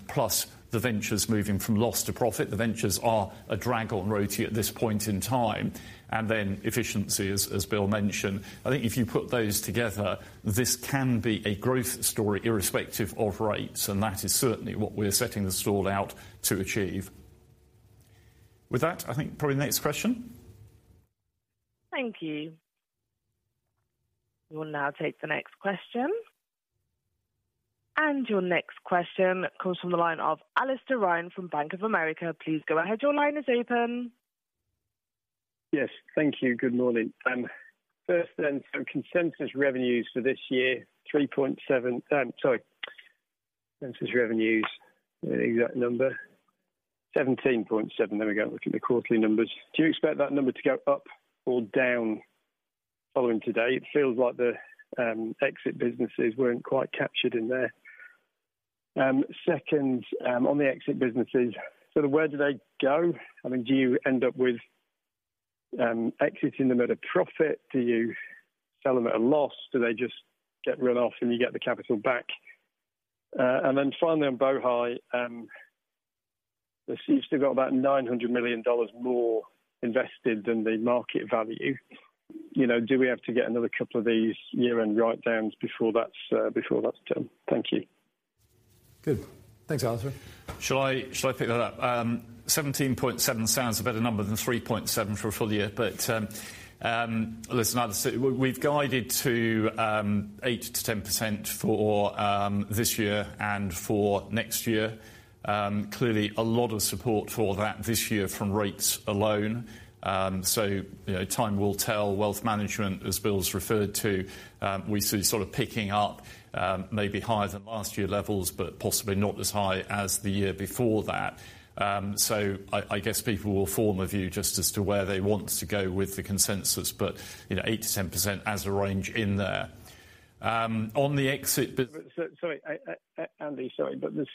Plus the ventures moving from loss to profit. The ventures are a drag on ROTE at this point in time. Then efficiency, as Bill mentioned. I think if you put those together, this can be a growth story irrespective of rates, and that is certainly what we're setting the stall out to achieve. With that, I think probably next question. Thank you. We will now take the next question. Your next question comes from the line of Alastair Ryan from Bank of America. Please go ahead. Your line is open. Yes. Thank you. Good morning. 1st, consensus revenues for this year, sorry. Consensus revenues, the exact number. 17.7, there we go. Looking at the quarterly numbers. Do you expect that number to go up or down following today? It feels like the exit businesses weren't quite captured in there. 2nd, on the exit businesses, sort of where do they go? I mean, do you end up with exiting them at a profit? Do you sell them at a loss? Do they just get written off and you get the capital back? Finally on Bohai, you still got about $900 million more invested than the market value. You know, do we have to get another couple of these year-end write-downs before that's before that's done? Thank you. Good. Thanks, Alastair. Shall I pick that up? 17.7% sounds a better number than 3.7% for a full year. Listen, we've guided to 8%-10% for this year and for next year. Clearly a lot of support for that this year from rates alone. You know, time will tell. Wealth management, as Bill's referred to, we see sort of picking up, maybe higher than last year levels, but possibly not as high as the year before that. I guess people will form a view just as to where they want to go with the consensus. You know, 8%-10% as a range in there. Sorry, Andy, sorry. The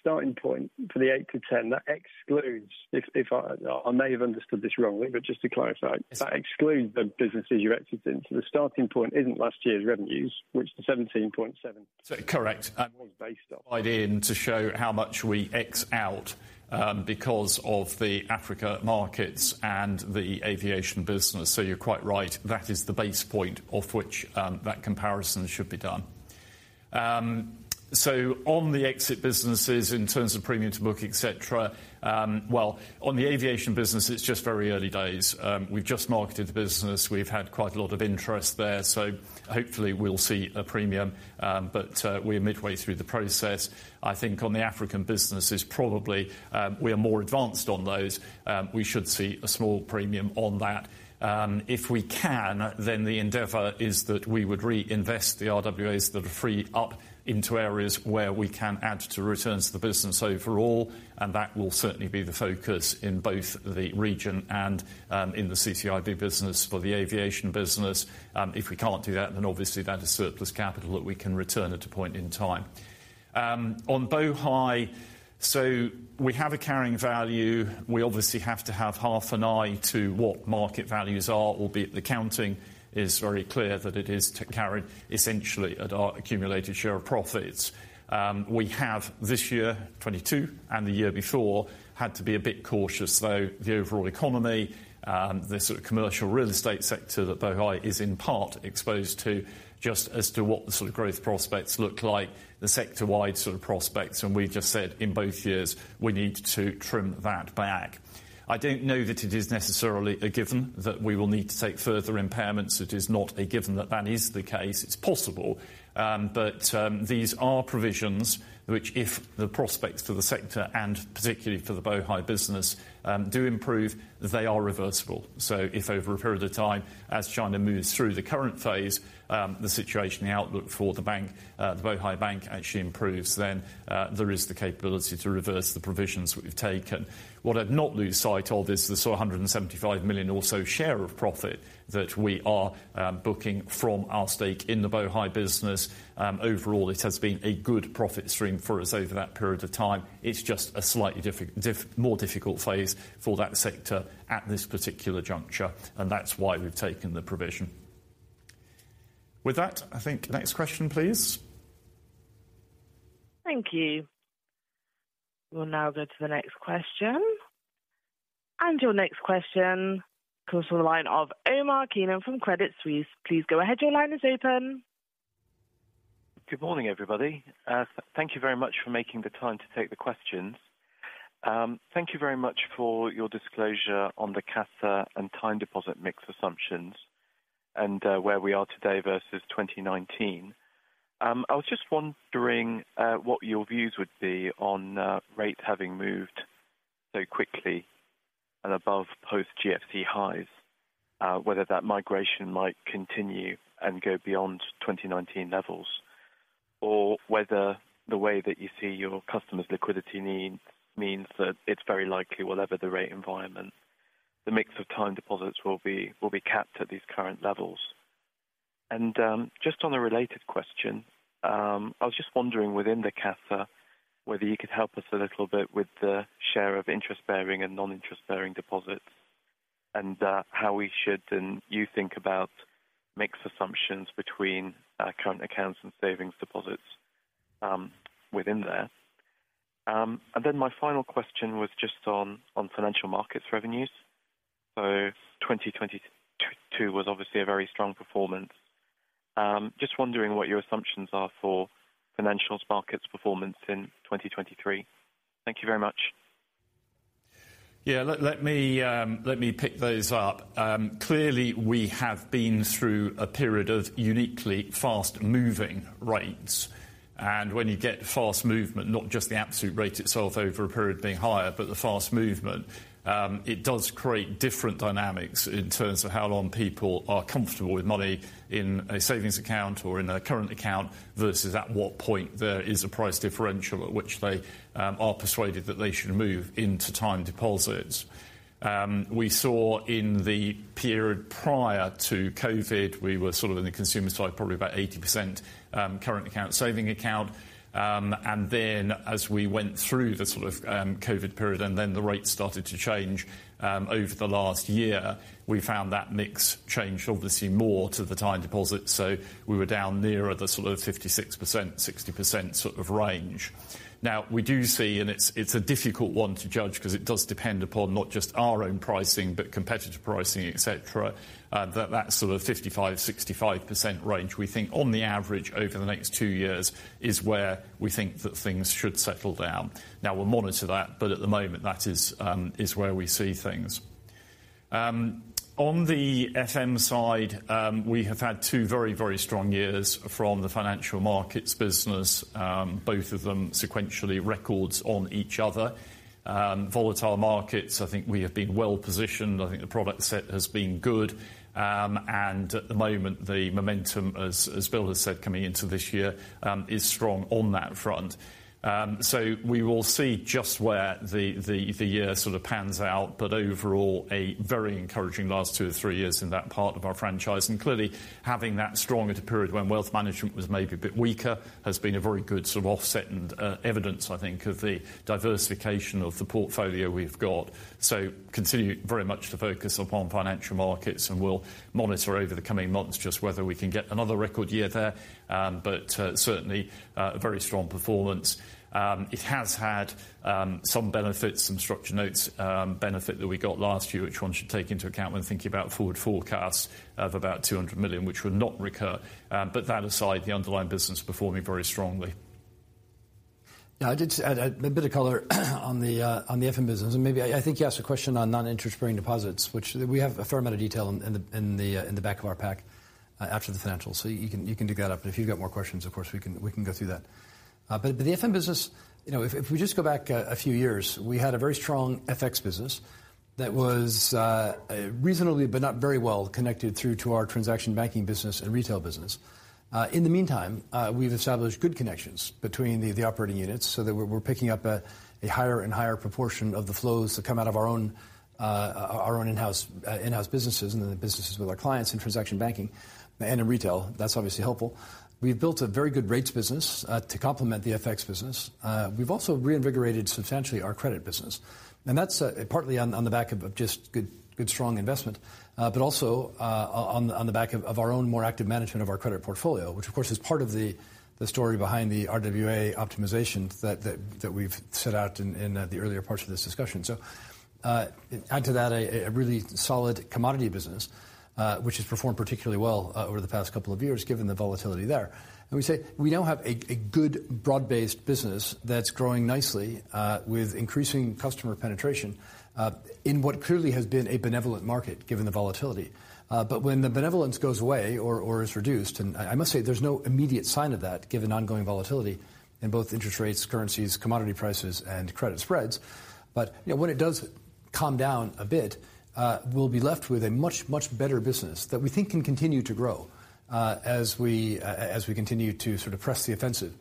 starting point for the 8 to 10, that excludes if I may have understood this wrongly. Just to clarify, that excludes the businesses you entered into. The starting point isn't last year's revenues, which is $17.7 billion. Correct. Was based off. Idea to show how much we x out because of the Africa markets and the aviation business. You're quite right, that is the base point of which that comparison should be done. On the exit businesses in terms of premium to book, et cetera, well, on the aviation business, it's just very early days. We've just marketed the business. We've had quite a lot of interest there, so hopefully we'll see a premium. But we're midway through the process. I think on the African businesses, probably, we are more advanced on those. We should see a small premium on that. If we can, then the endeavor is that we would reinvest the RWAs that are free up into areas where we can add to returns to the business overall, and that will certainly be the focus in both the region and in the CCIB business for the aviation business. If we can't do that, then obviously that is surplus capital that we can return at a point in time. On Bohai, we have a carrying value. We obviously have to have half an eye to what market values are, albeit the accounting is very clear that it is to carry essentially at our accumulated share of profits. We have this year, 22 and the year before, had to be a bit cautious, though. The overall economy, the sort of commercial real estate sector that Bohai is in part exposed to just as to what the sort of growth prospects look like, the sector-wide sort of prospects. We just said in both years, we need to trim that back. I don't know that it is necessarily a given that we will need to take further impairments. It is not a given that that is the case. It's possible, but these are provisions which if the prospects for the sector and particularly for the Bohai business do improve, they are reversible. If over a period of time, as China moves through the current phase, the situation, the outlook for the bank, the Bohai Bank actually improves, then there is the capability to reverse the provisions we've taken. What I'd not lose sight of is this sort of $175 million also share of profit that we are booking from our stake in the Bohai business. Overall, it has been a good profit stream for us over that period of time. It's just a slightly more difficult phase for that sector at this particular juncture, and that's why we've taken the provision. With that, I think next question, please. Thank you. We'll now go to the next question. Your next question goes to the line of Omar Keenan from Credit Suisse. Please go ahead. Your line is open. Good morning, everybody. Thank you very much for making the time to take the questions. Thank you very much for your disclosure on the CASA and time deposit mix assumptions and where we are today versus 2019. I was just wondering what your views would be on rates having moved so quickly and above post GFC highs, whether that migration might continue and go beyond 2019 levels, or whether the way that you see your customers liquidity need means that it's very likely whatever the rate environment, the mix of time deposits will be, will be capped at these current levels? Just on a related question, I was just wondering within the CASA, whether you could help us a little bit with the share of interest bearing and non-interest bearing deposits and how we should then you think about mix assumptions between current accounts and savings deposits within there. And then my final question was just on financial markets revenues. 2022 was obviously a very strong performance. Just wondering what your assumptions are for financial markets performance in 2023. Thank you very much. Let me pick those up. Clearly, we have been through a period of uniquely fast moving rates. When you get fast movement, not just the absolute rate itself over a period being higher, but the fast movement, it does create different dynamics in terms of how long people are comfortable with money in a savings account or in a current account versus at what point there is a price differential at which they are persuaded that they should move into time deposits. We saw in the period prior to COVID, we were sort of in the consumer side, probably about 80%, current account, saving account. As we went through the sort of COVID period, and then the rates started to change over the last year, we found that mix changed obviously more to the time deposit. We were down nearer the sort of 56%, 60% sort of range. We do see, and it's a difficult 1 to judge 'cause it does depend upon not just our own pricing, but competitive pricing, et cetera, that that sort of 55%-65% range, we think on the average over the next 2 years is where we think that things should settle down. We'll monitor that, but at the moment, that is where we see things. On the FM side, we have had 2 very, very strong years from the financial markets business. Both of them sequentially records on each other. Volatile markets, I think we have been well positioned. I think the product set has been good. At the moment, the momentum as Bill has said, coming into this year, is strong on that front. We will see just where the year sort of pans out. Overall, a very encouraging last 2 or 3 years in that part of our franchise. Clearly having that strong at a period when wealth management was maybe a bit weaker has been a very good sort of offset and evidence, I think, of the diversification of the portfolio we've got. Continue very much to focus upon financial markets, and we'll monitor over the coming months just whether we can get another record year there. but certainly, very strong performance. It has had, some benefits, some structured notes, benefit that we got last year, which 1 should take into account when thinking about forward forecasts of about $200 million, which would not recur. That aside, the underlying business performing very strongly. I did a bit of color on the FM business. Maybe I think you asked a question on non-interest-bearing deposits, which we have a fair amount of detail in the back of our pack after the financials. You can dig that up. If you've got more questions, of course, we can go through that. But the FM business, you know, if we just go back a few years, we had a very strong FX business that was reasonably but not very well connected through to our transaction banking business and retail business. In the meantime, we've established good connections between the operating units so that we're picking up a higher and higher proportion of the flows that come out of our own in-house businesses and the businesses with our clients in transaction banking and in retail. That's obviously helpful. We've built a very good rates business to complement the FX business. We've also reinvigorated substantially our credit business, and that's partly on the back of just good strong investment. Also, on the back of our own more active management of our credit portfolio, which of course is part of the story behind the RWA optimization that we've set out in the earlier parts of this discussion. Add to that a really solid commodity business, which has performed particularly well over the past couple of years, given the volatility there. We say we now have a good broad-based business that's growing nicely, with increasing customer penetration, in what clearly has been a benevolent market, given the volatility. When the benevolence goes away or is reduced, and I must say there's no immediate sign of that given ongoing volatility in both interest rates, currencies, commodity prices, and credit spreads. You know, when it does calm down a bit, we'll be left with a much, much better business that we think can continue to grow, as we continue to sort of press the offensive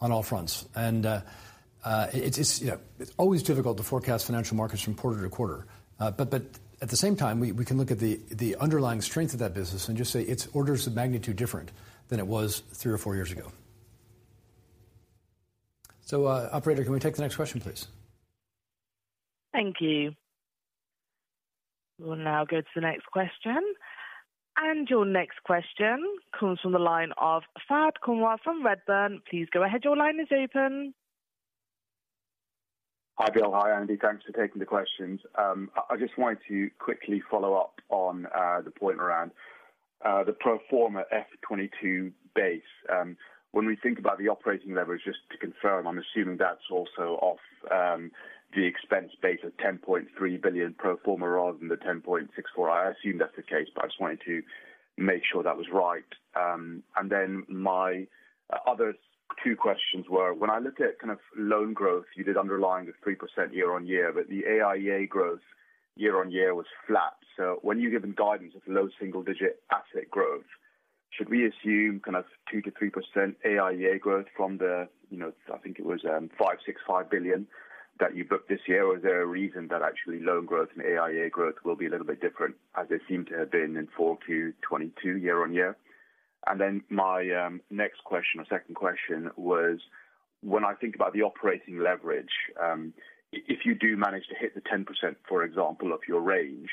on all fronts. It's, you know, it's always difficult to forecast financial markets from quarter-to-quarter. At the same time, we can look at the underlying strength of that business and just say it's orders of magnitude different than it was 3 or 4 years ago. Operator, can we take the next question, please? Thank you. We'll now go to the next question. Your next question comes from the line of Fahed Kunwar from Redburn. Please go ahead. Your line is open. Hi, Bill. Hi, Andy. Thanks for taking the questions. I just wanted to quickly follow up on the point around the pro forma F22 base. When we think about the operating leverage, just to confirm, I'm assuming that's also off the expense base of $10.3 billion pro forma rather than the $10.64. I assume that's the case, but I just wanted to make sure that was right. My other 2 questions were when I looked at kind of loan growth, you did underlying the 3% year-on-year, but the AIE growth year-on-year was flat. When you've given guidance of low single-digit asset growth, should we assume kind of 2%-3% AIE growth from the, you know, I think it was $565 billion that you booked this year? Is there a reason that actually loan growth and AIE growth will be a little bit different as they seem to have been in 4Q 2022 year-on-year? My next question or 2nd question was when I think about the operating leverage, if you do manage to hit the 10%, for example, of your range,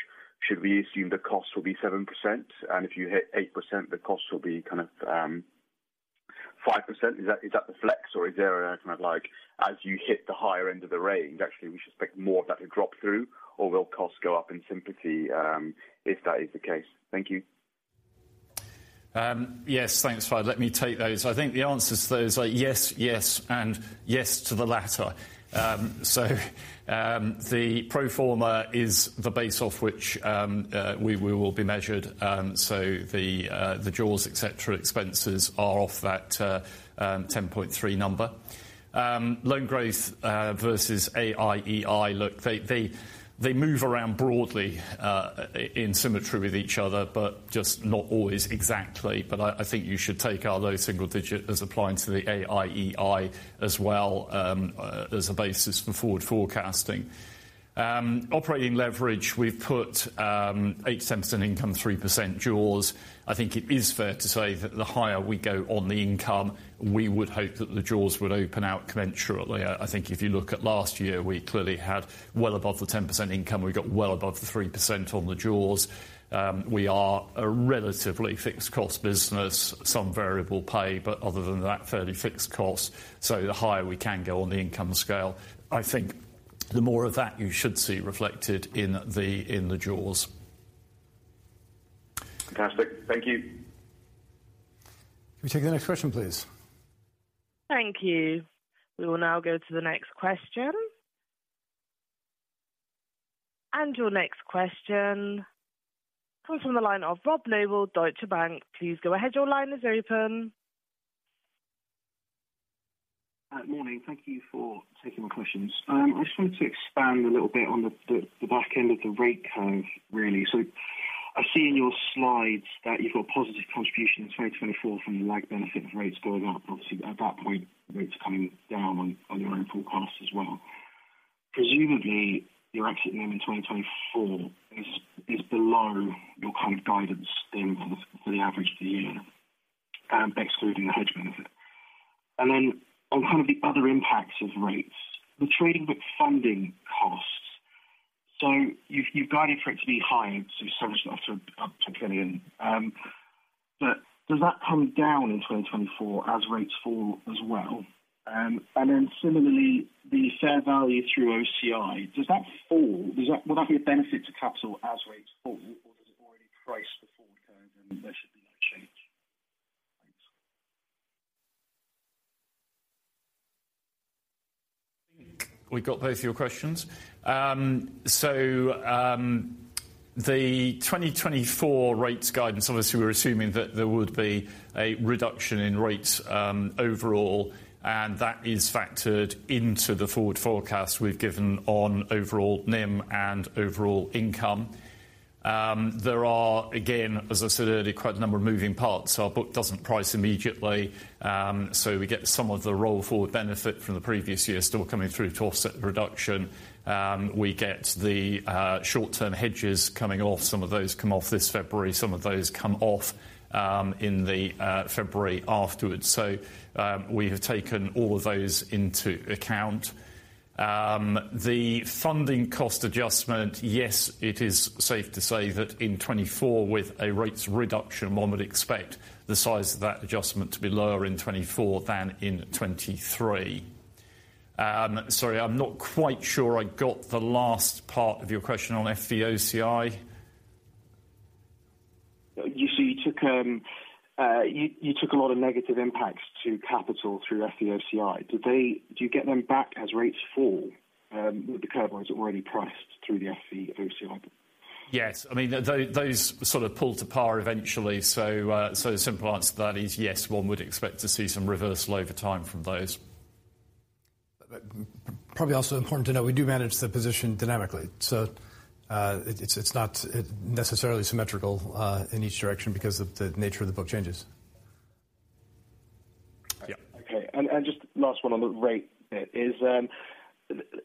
should we assume the cost will be 7%, and if you hit 8% the cost will be kind of 5%? Is that the flex, or is there a kind of like as you hit the higher end of the range, actually we should expect more of that to drop through, or will costs go up in sympathy, if that is the case? Thank you. Yes. Thanks, Fahd. Let me take those. I think the answers to those are yes and yes to the latter. The pro forma is the base off which we will be measured. The jaws, et cetera, expenses are off that 10.3 number. Loan growth versus AIEA, look, they move around broadly in symmetry with each other, but just not always exactly. I think you should take our low single digit as applying to the AIEA as well as a basis for forward forecasting. Operating leverage, we've put 80% income, 3% jaws. I think it is fair to say that the higher we go on the income, we would hope that the jaws would open out commensurately. I think if you look at last year, we clearly had well above the 10% income. We got well above the 3% on the jaws. We are a relatively fixed cost business, some variable pay, but other than that, fairly fixed cost. The higher we can go on the income scale, I think the more of that you should see reflected in the, in the jaws. Fantastic. Thank you. Can we take the next question, please? Thank you. We will now go to the next question. Your next question comes from the line of Robert Noble, Deutsche Bank. Please go ahead. Your line is open. Morning. Thank you for taking my questions. I just wanted to expand a little bit on the back end of the rate curve, really. I see in your slides that you've got positive contribution in 2024 from the lag benefit of rates going up, obviously at that point rates are coming down on your own forecast as well. Presumably your exit NIM in 2024 is below your kind of guidance then for the average of the year, excluding the hedge benefit. Then on kind of the other impacts of rates, the trading book funding costs. You've, you've guided for it to be high, so some of it's up to $1 billion. But does that come down in 2024 as rates fall as well? Similarly, the fair value through OCI, does that fall? Will that be a benefit to capital as rates fall or has it already priced the forward curve and there should be no change? Thanks. I think we got both of your questions. The 2024 rates guidance, obviously we're assuming that there would be a reduction in rates overall, and that is factored into the forward forecast we've given on overall NIM and overall income. There are, again, as I said earlier, quite a number of moving parts. Our book doesn't price immediately. We get some of the roll-forward benefit from the previous year still coming through to offset the reduction. We get the short-term hedges coming off. Some of those come off this February. Some of those come off in the February afterwards. We have taken all of those into account. The funding cost adjustment, yes, it is safe to say that in 2024 with a rates reduction 1 would expect the size of that adjustment to be lower in 2024 than in 2023. Sorry, I'm not quite sure I got the last part of your question on FVOCI. You said you took a lot of negative impacts to capital through FVOCI. Do you get them back as rates fall, with the curve, or is it already priced through the FVOCI? Yes. I mean, those sort of pull to par eventually. So the simple answer to that is yes, 1 would expect to see some reversal over time from those. Probably also important to note, we do manage the position dynamically. It's not necessarily symmetrical in each direction because the nature of the book changes. Yeah. Okay. Just last 1 on the rate bit is,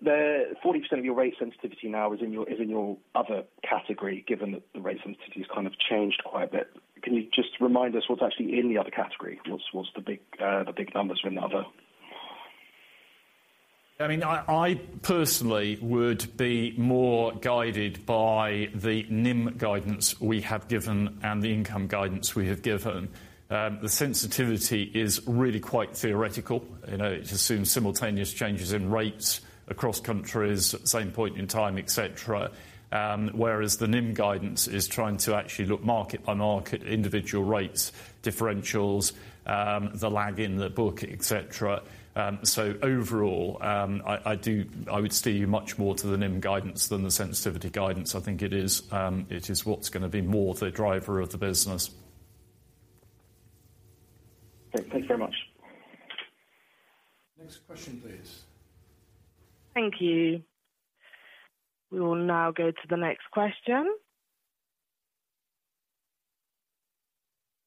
the 40% of your rate sensitivity now is in your other category, given that the rate sensitivity has kind of changed quite a bit. Can you just remind us what's actually in the other category? What's the big numbers for in the other? I mean, I personally would be more guided by the NIM guidance we have given and the income guidance we have given. The sensitivity is really quite theoretical. You know, it assumes simultaneous changes in rates across countries at the same point in time, et cetera. Whereas the NIM guidance is trying to actually look market by market, individual rates, differentials, the lag in the book, et cetera. Overall, I would steer you much more to the NIM guidance than the sensitivity guidance. I think it is what's gonna be more the driver of the business. Okay. Thank you very much. Next question, please. Thank you. We will now go to the next question.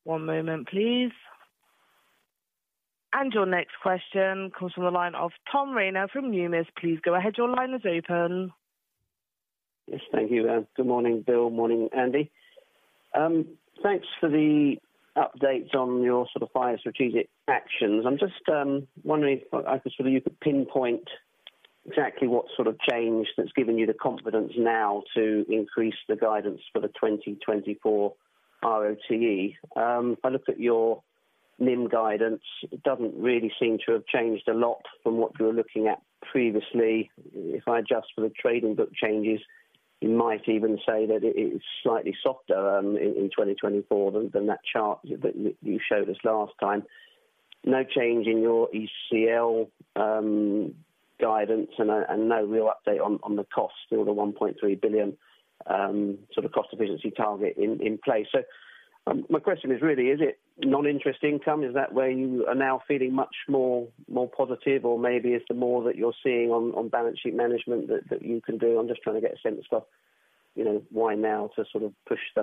One moment, please. Your next question comes from the line of Tom Rayner from Numis. Please go ahead. Your line is open. Yes. Thank you. Good morning, Bill. Morning, Andy. Thanks for the updates on your sort of 5 strategic actions. I'm just wondering if I guess whether you could pinpoint exactly what sort of change that's given you the confidence now to increase the guidance for the 2024 ROTE? If I look at your NIM guidance, it doesn't really seem to have changed a lot from what you were looking at previously. If I adjust for the trading book changes, you might even say that it is slightly softer in 2024 than that chart you showed us last time. No change in your ECL guidance and no real update on the cost. Still the $1.3 billion sort of cost efficiency target in place. My question is really, is it non-interest income? Is that where you are now feeling much more positive? Maybe it's the more that you're seeing on balance sheet management that you can do. I'm just trying to get a sense of. You know, why now to sort of push the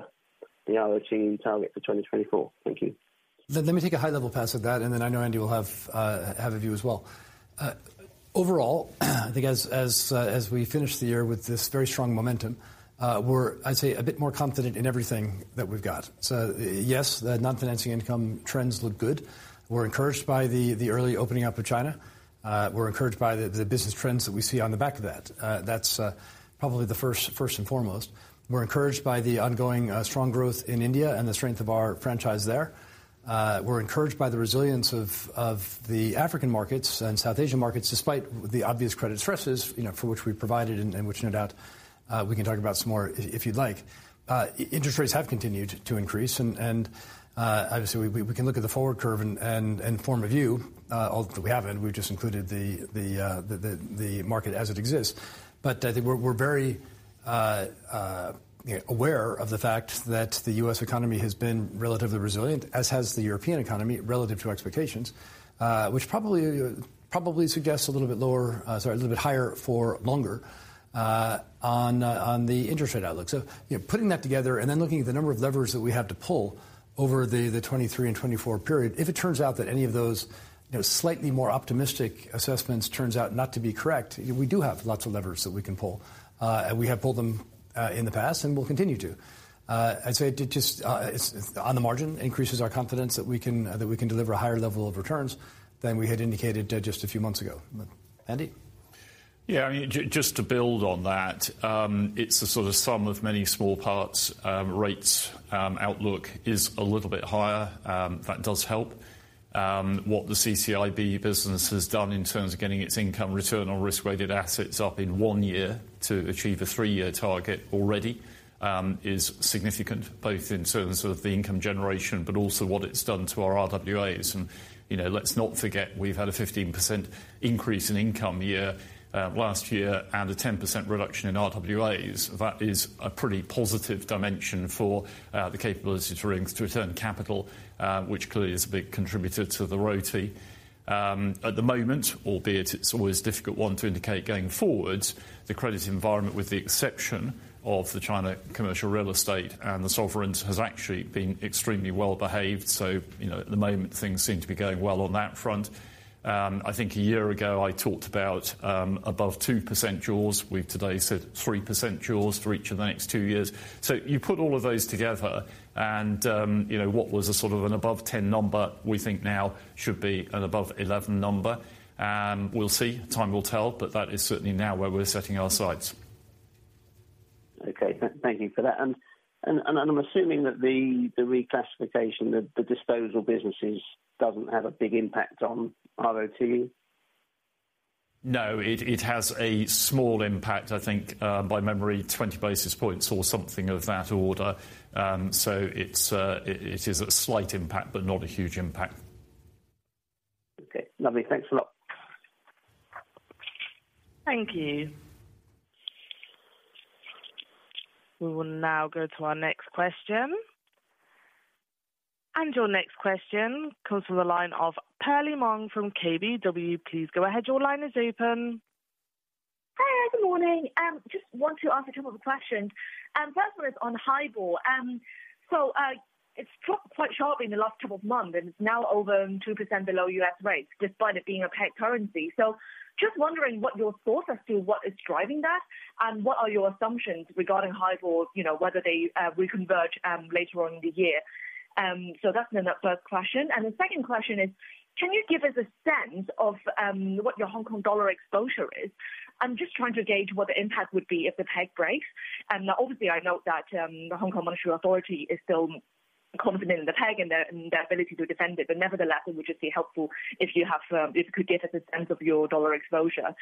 ROTE target for 2024? Thank you. Let me take a high level pass at that, and then I know Andy will have a view as well. Overall, I think as we finish the year with this very strong momentum, we're I'd say a bit more confident in everything that we've got. Yes, the non-financing income trends look good. We're encouraged by the early opening up of China. We're encouraged by the business trends that we see on the back of that. That's probably the first and foremost. We're encouraged by the ongoing strong growth in India and the strength of our franchise there. We're encouraged by the resilience of the African markets and South Asian markets, despite the obvious credit stresses, you know, for which we provided and which no doubt we can talk about some more if you'd like. Interest rates have continued to increase. Obviously we can look at the forward curve and form a view, although we haven't. We've just included the market as it exists. I think we're very aware of the fact that the U.S. economy has been relatively resilient, as has the European economy relative to expectations, which probably suggests a little bit higher for longer on the interest rate outlook. you know, putting that together and then looking at the number of levers that we have to pull over the 2023 and 2024 period, if it turns out that any of those, you know, slightly more optimistic assessments turns out not to be correct, we do have lots of levers that we can pull. We have pulled them in the past and will continue to. I'd say it just on the margin, increases our confidence that we can, that we can deliver a higher level of returns than we had indicated just a few months ago. Andy. I mean, just to build on that, it's a sort of sum of many small parts, rates. Outlook is a little bit higher. That does help. What the CCIB business has done in terms of getting its income Return on Risk-Weighted Assets up in 1 year to achieve a 3-year target already, is significant. Both in terms of the income generation, but also what it's done to our RWAs. You know, let's not forget we've had a 15% increase in income year last year and a 10% reduction in RWAs. That is a pretty positive dimension for the capability to return capital, which clearly is a big contributor to the ROTE. At the moment, albeit it's always a difficult 1 to indicate going forward, the credit environment, with the exception of the China commercial real estate and the sovereigns, has actually been extremely well behaved. You know, at the moment, things seem to be going well on that front. I think a year ago I talked about above 2% Jaws. We've today said 3% Jaws for each of the next 2 years. You put all of those together and, you know, what was a sort of an above-10 number, we think now should be an above-11 number. We'll see. Time will tell, but that is certainly now where we're setting our sights. Okay. Thank you for that. I'm assuming that the reclassification, the disposal businesses doesn't have a big impact on ROTE. No, it has a small impact. I think, by memory, 20 basis points or something of that order. It's, it is a slight impact, but not a huge impact. Okay, lovely. Thanks a lot. Thank you. We will now go to our next question. Your next question comes from the line of Perlie Mong from KBW. Please go ahead. Your line is open. Hi, good morning. Just want to ask a couple of questions. First 1 is on HIBOR. It's dropped quite sharply in the last couple of months, and it's now over 2% below U.S. rates, despite it being a peg currency. Just wondering what your thoughts as to what is driving that, and what are your assumptions regarding HIBOR, you know, whether they will converge later on in the year. That's then the 1st question. The 2nd question is, can you give us a sense of what your Hong Kong dollar exposure is? I'm just trying to gauge what the impact would be if the peg breaks. Obviously, I note that the Hong Kong Monetary Authority is still confident in the peg and the ability to defend it. Nevertheless, it would just be helpful if you have, if you could give us a sense of your dollar exposure.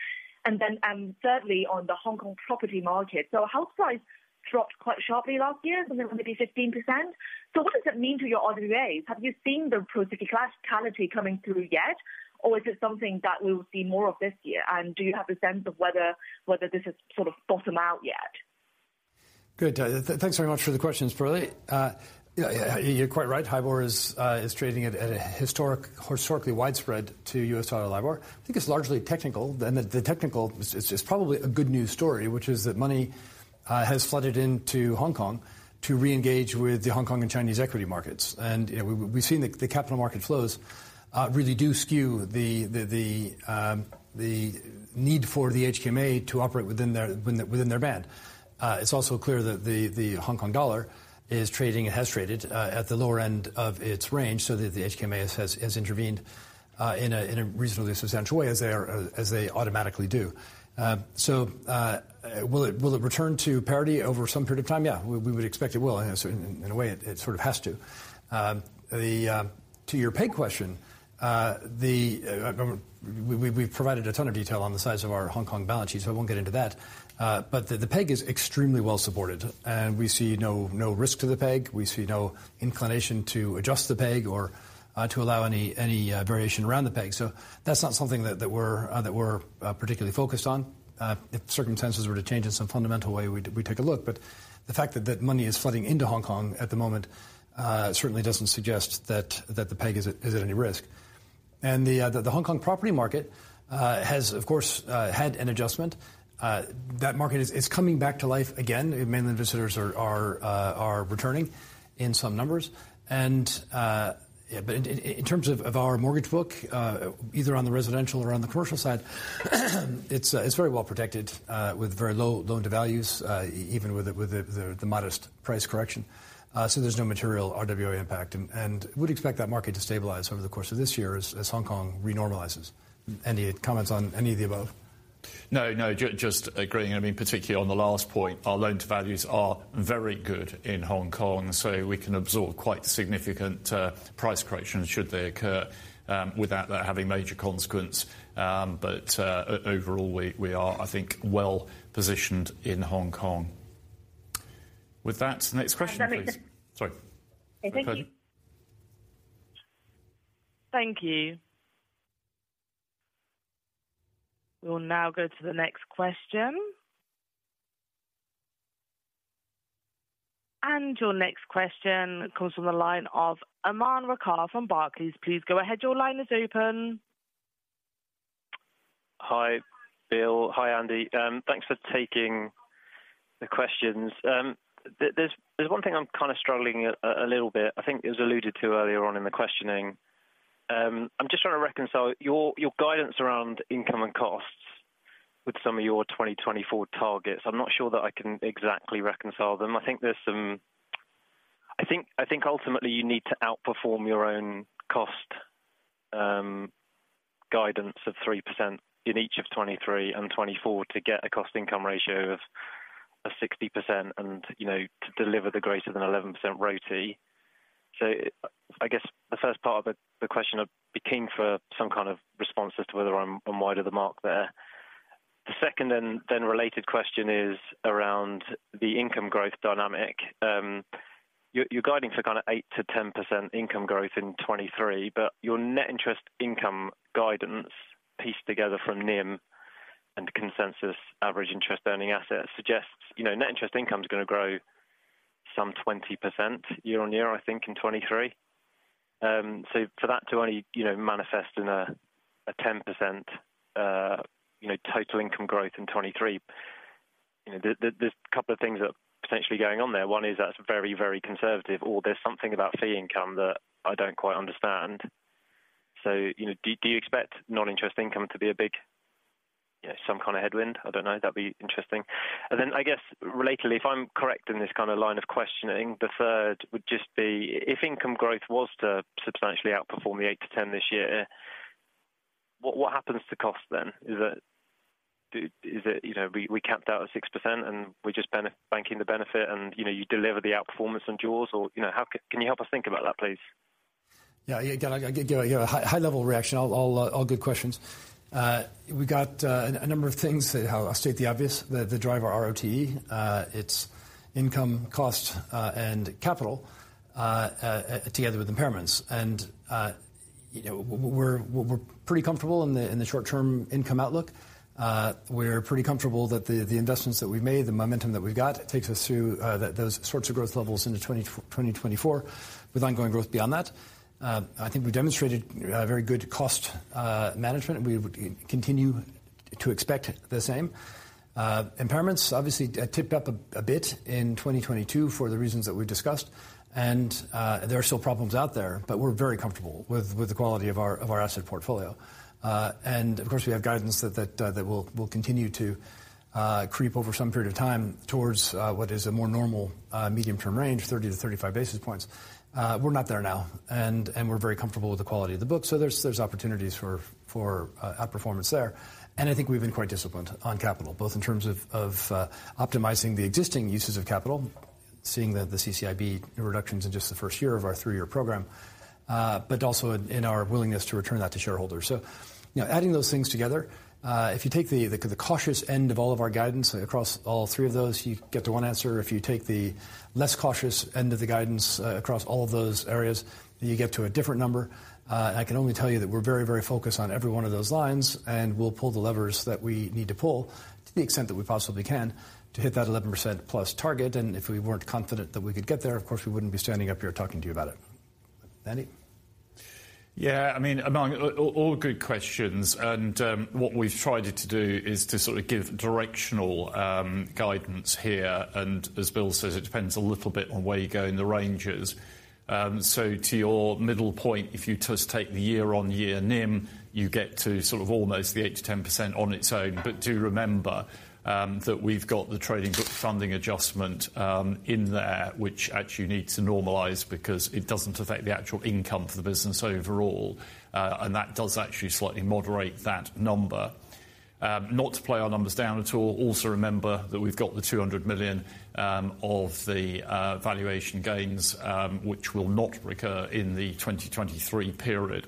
Then, thirdly, on the Hong Kong property market. House prices dropped quite sharply last year, something maybe 15%. What does it mean to your RWAs? Have you seen the procyclicality coming through yet, or is it something that we'll see more of this year? Do you have a sense of whether this has sort of bottomed out yet? Good. Thanks very much for the questions, Perlie. You're quite right. HIBOR is trading at a historically widespread to US dollar HIBOR. I think it's largely technical. The technical is probably a good news story, which is that money has flooded into Hong Kong to reengage with the Hong Kong and Chinese equity markets. You know, we've seen the capital market flows really do skew the need for the HKMA to operate within their band. It's also clear that the Hong Kong dollar is trading, it has traded at the lower end of its range, the HKMA has intervened in a reasonably substantial way as they automatically do. Will it return to parity over some period of time? We would expect it will. In a certain way, it sort of has to. To your peg question, we've provided a ton of detail on the size of our Hong Kong balance sheet, so I won't get into that. The peg is extremely well supported, and we see no risk to the peg. We see no inclination to adjust the peg or to allow any variation around the peg. That's not something that we're particularly focused on. If circumstances were to change in some fundamental way, we'd take a look. The fact that that money is flooding into Hong Kong at the moment, certainly doesn't suggest that the peg is at, is at any risk. The Hong Kong property market has of course had an adjustment. That market is coming back to life again. Mainland visitors are returning in some numbers. But in terms of our mortgage book, either on the residential or on the commercial side, it's very well protected with very low loan-to-value, even with the modest price correction. There's no material RWA impact, and would expect that market to stabilize over the course of this year as Hong Kong renormalizes. Any comments on any of the above? No, just agreeing. I mean, particularly on the last point, our loan-to-value are very good in Hong Kong, so we can absorb quite significant price corrections should they occur, without that having major consequence. Overall, we are, I think, well positioned in Hong Kong. With that, next question please. Let me- Sorry. No, thank you. Thank you. We'll now go to the next question. Your next question comes from the line of Aman Rakkar from Barclays. Please go ahead. Your line is open. Hi, Bill. Hi, Andy. Thanks for taking the questions. There's 1 thing I'm kind of struggling a little bit. I think it was alluded to earlier on in the questioning. I'm just trying to reconcile your guidance around income and costs with some of your 2024 targets. I'm not sure that I can exactly reconcile them. I think ultimately you need to outperform your own cost guidance of 3% in each of 2023 and 2024 to get a cost income ratio of 60% and, you know, to deliver the greater than 11% ROTE. I guess the 1st part of the question be keen for some kind of response as to whether I'm wide of the mark there. The 2nd and then related question is around the income growth dynamic. You're guiding for kind of 8%-10% income growth in 2023, your net interest income guidance pieced together from NIM and consensus Average Interest-Earning Assets suggests, you know, net interest income's gonna grow some 20% year-on-year, I think in 2023. For that to only, you know, manifest in a 10%, you know, total income growth in 2023, you know, there's a couple of things that potentially going on there. 1 is that's very, very conservative or there's something about fee income that I don't quite understand. You know, do you expect non-interest income to be a big, you know, some kind of headwind? I don't know. That'd be interesting. I guess relatedly, if I'm correct in this kind of line of questioning, the 3rd would just be if income growth was to substantially outperform the 8-10 this year, what happens to cost then? Is it, you know, we capped out at 6% and we're just banking the benefit and, you know, you deliver the outperformance on jaws or, you know, how can you help us think about that, please? Give a high-level reaction. All good questions. We got a number of things that, I'll state the obvious, the driver of our ROTE, it's income cost and capital together with impairments. you know, we're pretty comfortable in the short term income outlook. We're pretty comfortable that the investments that we've made, the momentum that we've got takes us through those sorts of growth levels into 2024 with ongoing growth beyond that. I think we've demonstrated very good cost management. We continue to expect the same. Impairments obviously tipped up a bit in 2022 for the reasons that we've discussed. There are still problems out there, but we're very comfortable with the quality of our asset portfolio. Of course, we have guidance that will continue to creep over some period of time towards what is a more normal medium term range, 30-35 basis points. We're not there now, and we're very comfortable with the quality of the book. There's opportunities for outperformance there. I think we've been quite disciplined on capital, both in terms of optimizing the existing uses of capital, seeing that the CCIB reductions in just the 1st year of our 3-year program, but also in our willingness to return that to shareholders. You know, adding those things together, if you take the cautious end of all of our guidance across all 3 of those, you get to 1 answer. If you take the less cautious end of the guidance across all of those areas, you get to a different number. I can only tell you that we're very, very focused on every 1 of those lines, and we'll pull the levers that we need to pull to the extent that we possibly can to hit that 11%+ target. If we weren't confident that we could get there, of course, we wouldn't be standing up here talking to you about it. Andy. I mean, Aman, all good questions. What we've tried to do is to sort of give directional guidance here. As Bill says, it depends a little bit on where you go in the ranges. To your middle point, if you just take the year-on-year NIM, you get to sort of almost the 8%-10% on its own. Do remember, that we've got the trading book funding adjustment, in there, which actually you need to normalize because it doesn't affect the actual income for the business overall. That does actually slightly moderate that number. Not to play our numbers down at all. Also remember that we've got the $200 million of the valuation gains which will not recur in the 2023 period.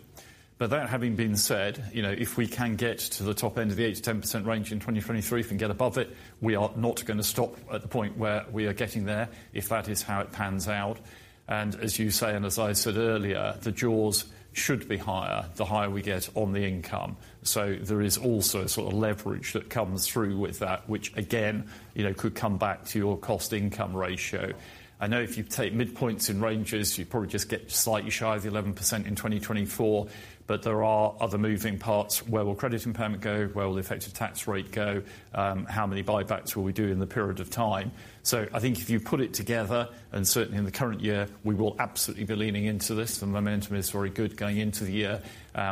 That having been said, you know, if we can get to the top end of the 8%-10% range in 2023, if we can get above it, we are not gonna stop at the point where we are getting there, if that is how it pans out. As you say, and as I said earlier, the Jaws should be higher the higher we get on the income. There is also a sort of leverage that comes through with that, which again, you know, could come back to your cost-to-income ratio. I know if you take mid points in ranges, you probably just get slightly shy of the 11% in 2024, but there are other moving parts. Where will credit impairment go, where will effective tax rate go, how many buybacks will we do in the period of time? I think if you put it together, and certainly in the current year, we will absolutely be leaning into this. The momentum is very good going into the year,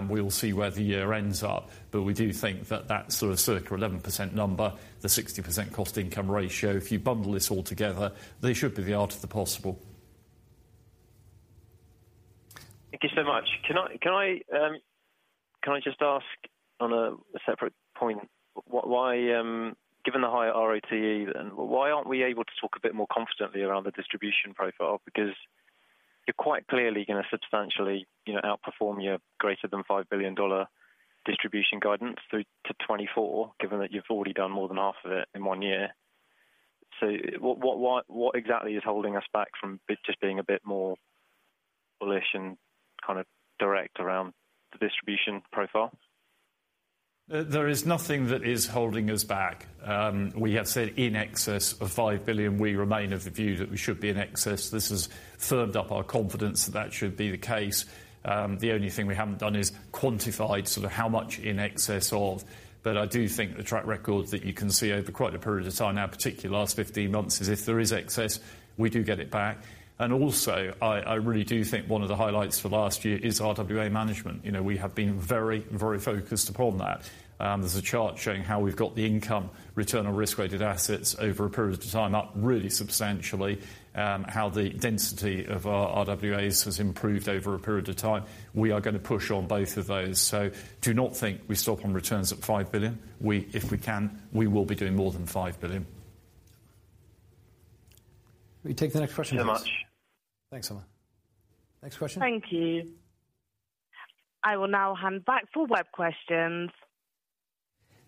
we'll see where the year ends up. We do think that that sort of circa 11% number, the 60% cost income ratio, if you bundle this all together, they should be the art of the possible. Thank you so much. Can I just ask on a separate point, why, given the high ROTE, why aren't we able to talk a bit more confidently around the distribution profile? Because you're quite clearly gonna substantially, you know, outperform your greater than $5 billion distribution guidance through to 2024, given that you've already done more than half of it in 1 year. What, why, what exactly is holding us back from just being a bit more bullish and kind of direct around the distribution profile? There is nothing that is holding us back. We have said in excess of $5 billion, we remain of the view that we should be in excess. This has firmed up our confidence that that should be the case. The only thing we haven't done is quantified sort of how much in excess of. I do think the track record that you can see over quite a period of time now, particularly last 15 months, is if there is excess, we do get it back. Also, I really do think 1 of the highlights for last year is RWA management. You know, we have been very, very focused upon that. There's a chart showing how we've got the income return on risk-weighted assets over a period of time, up really substantially. How the density of our RWAs has improved over a period of time. We are gonna push on both of those. Do not think we stop on returns at $5 billion. We, if we can, we will be doing more than $5 billion. Will you take the next question? Thank you so much. Thanks, Omar. Next question. Thank you. I will now hand back for web questions.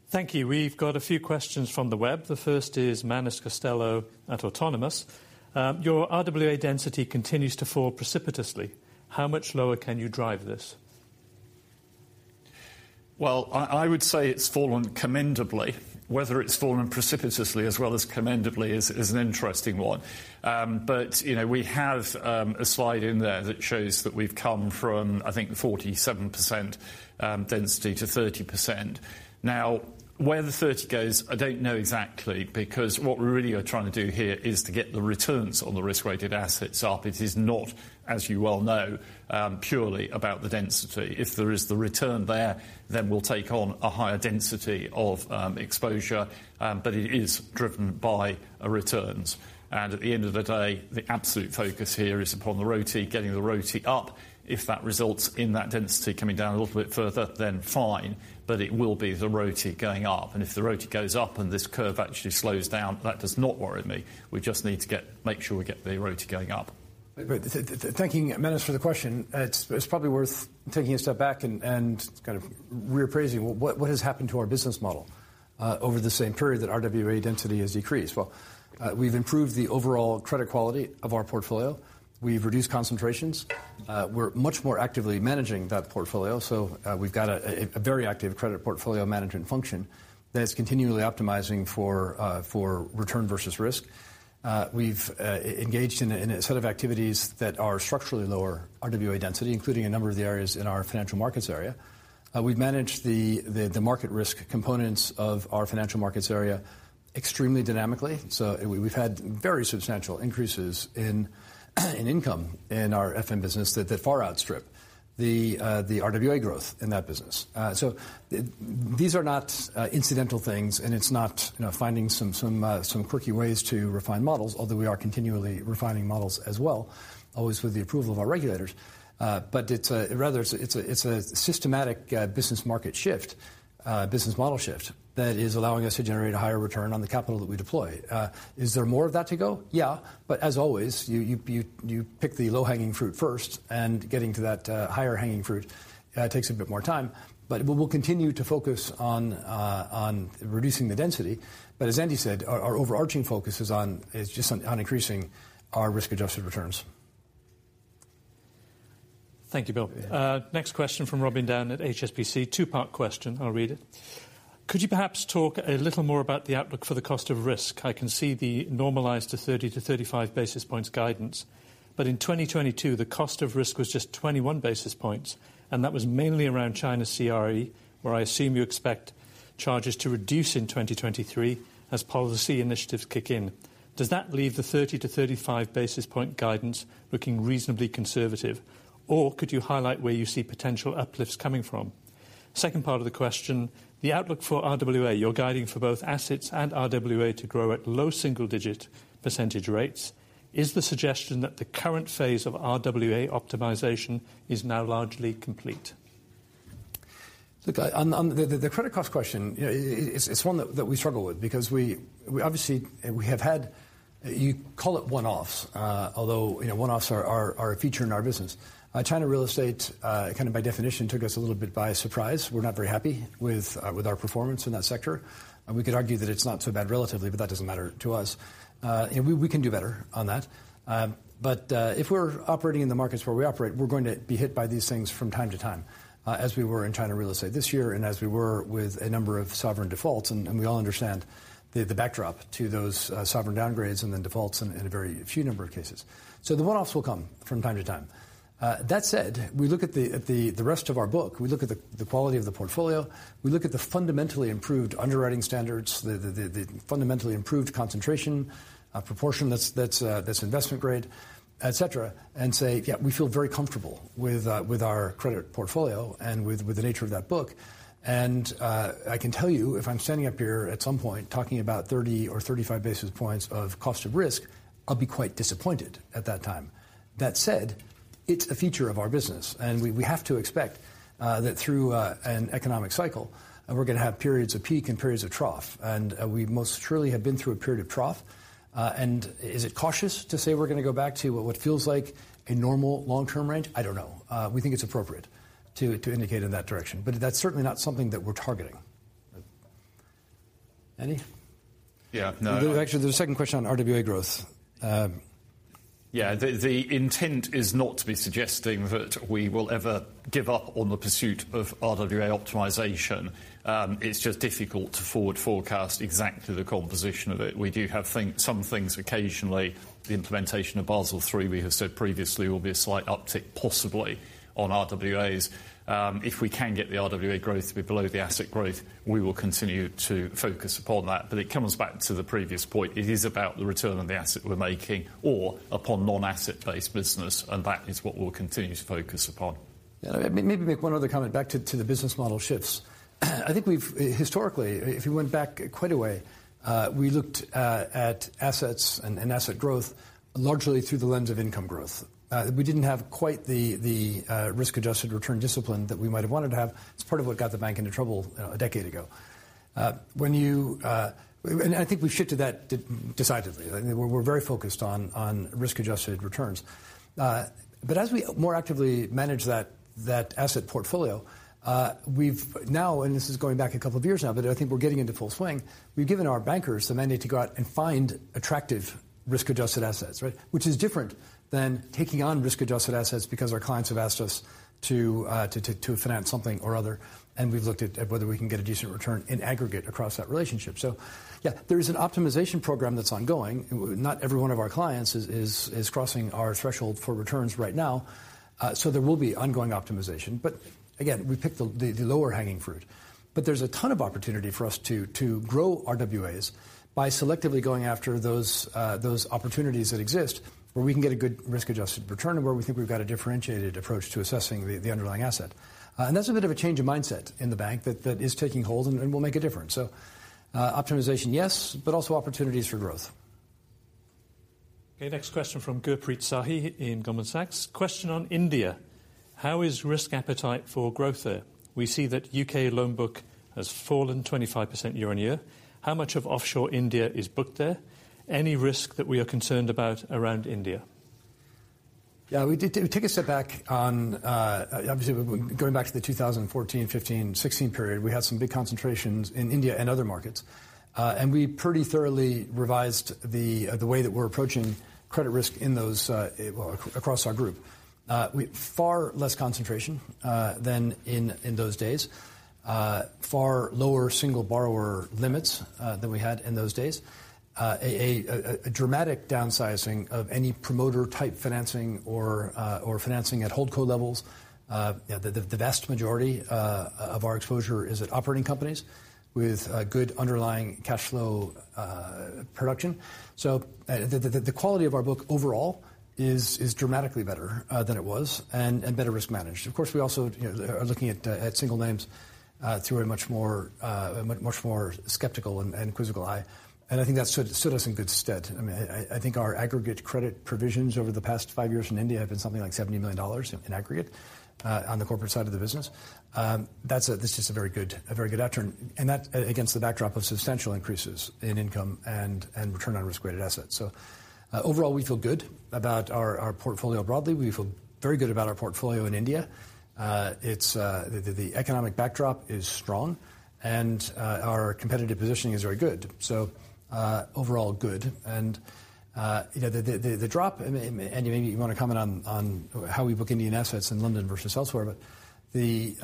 Thank you. We've got a few questions from the web. The first is Manus Costello at Autonomous. Your RWA density continues to fall precipitously. How much lower can you drive this? Well, I would say it's fallen commendably. Whether it's fallen precipitously as well as commendably is an interesting one. You know, we have a slide in there that shows that we've come from, I think, 47% density to 30%. Where the 30 goes, I don't know exactly, because what we really are trying to do here is to get the returns on the risk-weighted assets up. It is not, as you well know, purely about the density. If there is the return there, then we'll take on a higher density of exposure, but it is driven by a returns. At the end of the day, the absolute focus here is upon the ROTE, getting the ROTE up. If that results in that density coming down a little bit further, then fine, but it will be the ROTE going up. If the ROTE goes up and this curve actually slows down, that does not worry me. We just need to get, make sure we get the ROTE going up. Thank you, Manus, for the question. It's probably worth taking a step back and kind of reappraising what has happened to our business model over the same period that RWA density has decreased. Well, we've improved the overall credit quality of our portfolio. We've reduced concentrations. We're much more actively managing that portfolio. So, we've got a very active credit portfolio management function that is continually optimizing for return versus risk. We've engaged in a set of activities that are structurally lower RWA density, including a number of the areas in our financial markets area. We've managed the market risk components of our financial markets area extremely dynamically. We've had very substantial increases in income in our FM business that far outstrip the RWA growth in that business. These are not incidental things, and it's not, you know, finding some quirky ways to refine models, although we are continually refining models as well, always with the approval of our regulators. It's a rather, it's a systematic business market shift, business model shift that is allowing us to generate a higher return on the capital that we deploy. Is there more of that to go? As always, you pick the low-hanging fruit first, and getting to that higher hanging fruit takes a bit more time. We'll continue to focus on reducing the density. As Andy said, our overarching focus is just on increasing our risk-adjusted returns. Thank you, Bill. Next question from Robin Down at HSBC. 2-part question. I'll read it. Could you perhaps talk a little more about the outlook for the cost of risk? I can see the normalized to 30-35 basis points guidance. In 2022, the cost of risk was just 21 basis points, and that was mainly around China's CRE, where I assume you expect charges to reduce in 2023 as policy initiatives kick in. Does that leave the 30-35 basis point guidance looking reasonably conservative, or could you highlight where you see potential uplifts coming from? 2nd part of the question, the outlook for RWA, you're guiding for both assets and RWA to grow at low single-digit percentage rates. Is the suggestion that the current phase of RWA optimization is now largely complete? Look, on the credit cost question, you know, it's 1 that we struggle with because we obviously have had, you call it one-offs, although, you know, one-offs are a feature in our business. China real estate, kind of by definition, took us a little bit by surprise. We're not very happy with our performance in that sector. We could argue that it's not so bad relatively, but that doesn't matter to us. We can do better on that. If we're operating in the markets where we operate, we're going to be hit by these things from time to time, as we were in China real estate this year, and as we were with a number of sovereign defaults. We all understand the backdrop to those sovereign downgrades and then defaults in a very few number of cases. The one-offs will come from time to time. That said, we look at the rest of our book, we look at the quality of the portfolio, we look at the fundamentally improved underwriting standards, the fundamentally improved concentration, proportion that's investment grade, et cetera, and say, "We feel very comfortable with our credit portfolio and with the nature of that book." I can tell you, if I'm standing up here at some point talking about 30 or 35 basis points of cost of risk, I'll be quite disappointed at that time. That said, it's a feature of our business, we have to expect, that through an economic cycle, we're gonna have periods of peak and periods of trough. We most surely have been through a period of trough. Is it cautious to say we're gonna go back to what feels like a normal long-term range? I don't know. We think it's appropriate to indicate in that direction. That's certainly not something that we're targeting. Andy? Yeah. Actually, there's a 2nd question on RWA growth. The intent is not to be suggesting that we will ever give up on the pursuit of RWA optimization. It's just difficult to forward forecast exactly the composition of it. We do have some things occasionally, the implementation of Basel III, we have said previously, will be a slight uptick possibly on RWAs. If we can get the RWA growth to be below the asset growth, we will continue to focus upon that. It comes back to the previous point. It is about the return on the asset we're making, or upon non-asset-based business, and that is what we'll continue to focus upon. Maybe make 1 other comment back to the business model shifts. I think we've historically, if you went back quite a way, we looked at assets and asset growth largely through the lens of income growth. We didn't have quite the risk-adjusted return discipline that we might have wanted to have. It's part of what got the bank into trouble 10 years ago. When you. I think we've shifted that decisively. I mean, we're very focused on risk-adjusted returns. As we more actively manage that asset portfolio, we've now, and this is going back 2 years now, but I think we're getting into full swing. We've given our bankers the mandate to go out and find attractive risk-adjusted assets, right? Which is different than taking on risk-adjusted assets because our clients have asked us to finance something or other, and we've looked at whether we can get a decent return in aggregate across that relationship. There is an optimization program that's ongoing. Not every 1 of our clients is crossing our threshold for returns right now. There will be ongoing optimization. Again, we pick the lower hanging fruit. There's a ton of opportunity for us to grow RWAs by selectively going after those opportunities that exist, where we can get a good risk-adjusted return, and where we think we've got a differentiated approach to assessing the underlying asset. That's a bit of a change in mindset in the bank that is taking hold and will make a difference. optimization, yes, but also opportunities for growth. Okay, next question from Gurpreet Sahi in in Goldman Sachs. Question on India. How is risk appetite for growth there? We see that U.K. loan book has fallen 25% year-on-year. How much of offshore India is booked there? Any risk that we are concerned about around India? We did take a step back on obviously going back to the 2014, 2015, 2016 period. We had some big concentrations in India and other markets, and we pretty thoroughly revised the way that we're approaching credit risk in those, well, across our group. Far less concentration than in those days. Far lower single borrower limits than we had in those days. A dramatic downsizing of any promoter type financing or financing at holdco levels. The vast majority of our exposure is at operating companies with a good underlying cashflow production. The quality of our book overall is dramatically better than it was and better risk-managed. Of course, we also, you know, are looking at single names through a much more skeptical and quizzical eye. I think that stood us in good stead. I mean, I think our aggregate credit provisions over the past 5 years from India have been something like $70 million in aggregate on the corporate side of the business. That's just a very good outturn. That against the backdrop of substantial increases in income and Return on Risk-Weighted Assets. Overall, we feel good about our portfolio broadly. We feel very good about our portfolio in India. It's, the economic backdrop is strong and our competitive positioning is very good. Overall good. You know, the drop, and maybe you want to comment on how we book Indian assets in London versus elsewhere. The,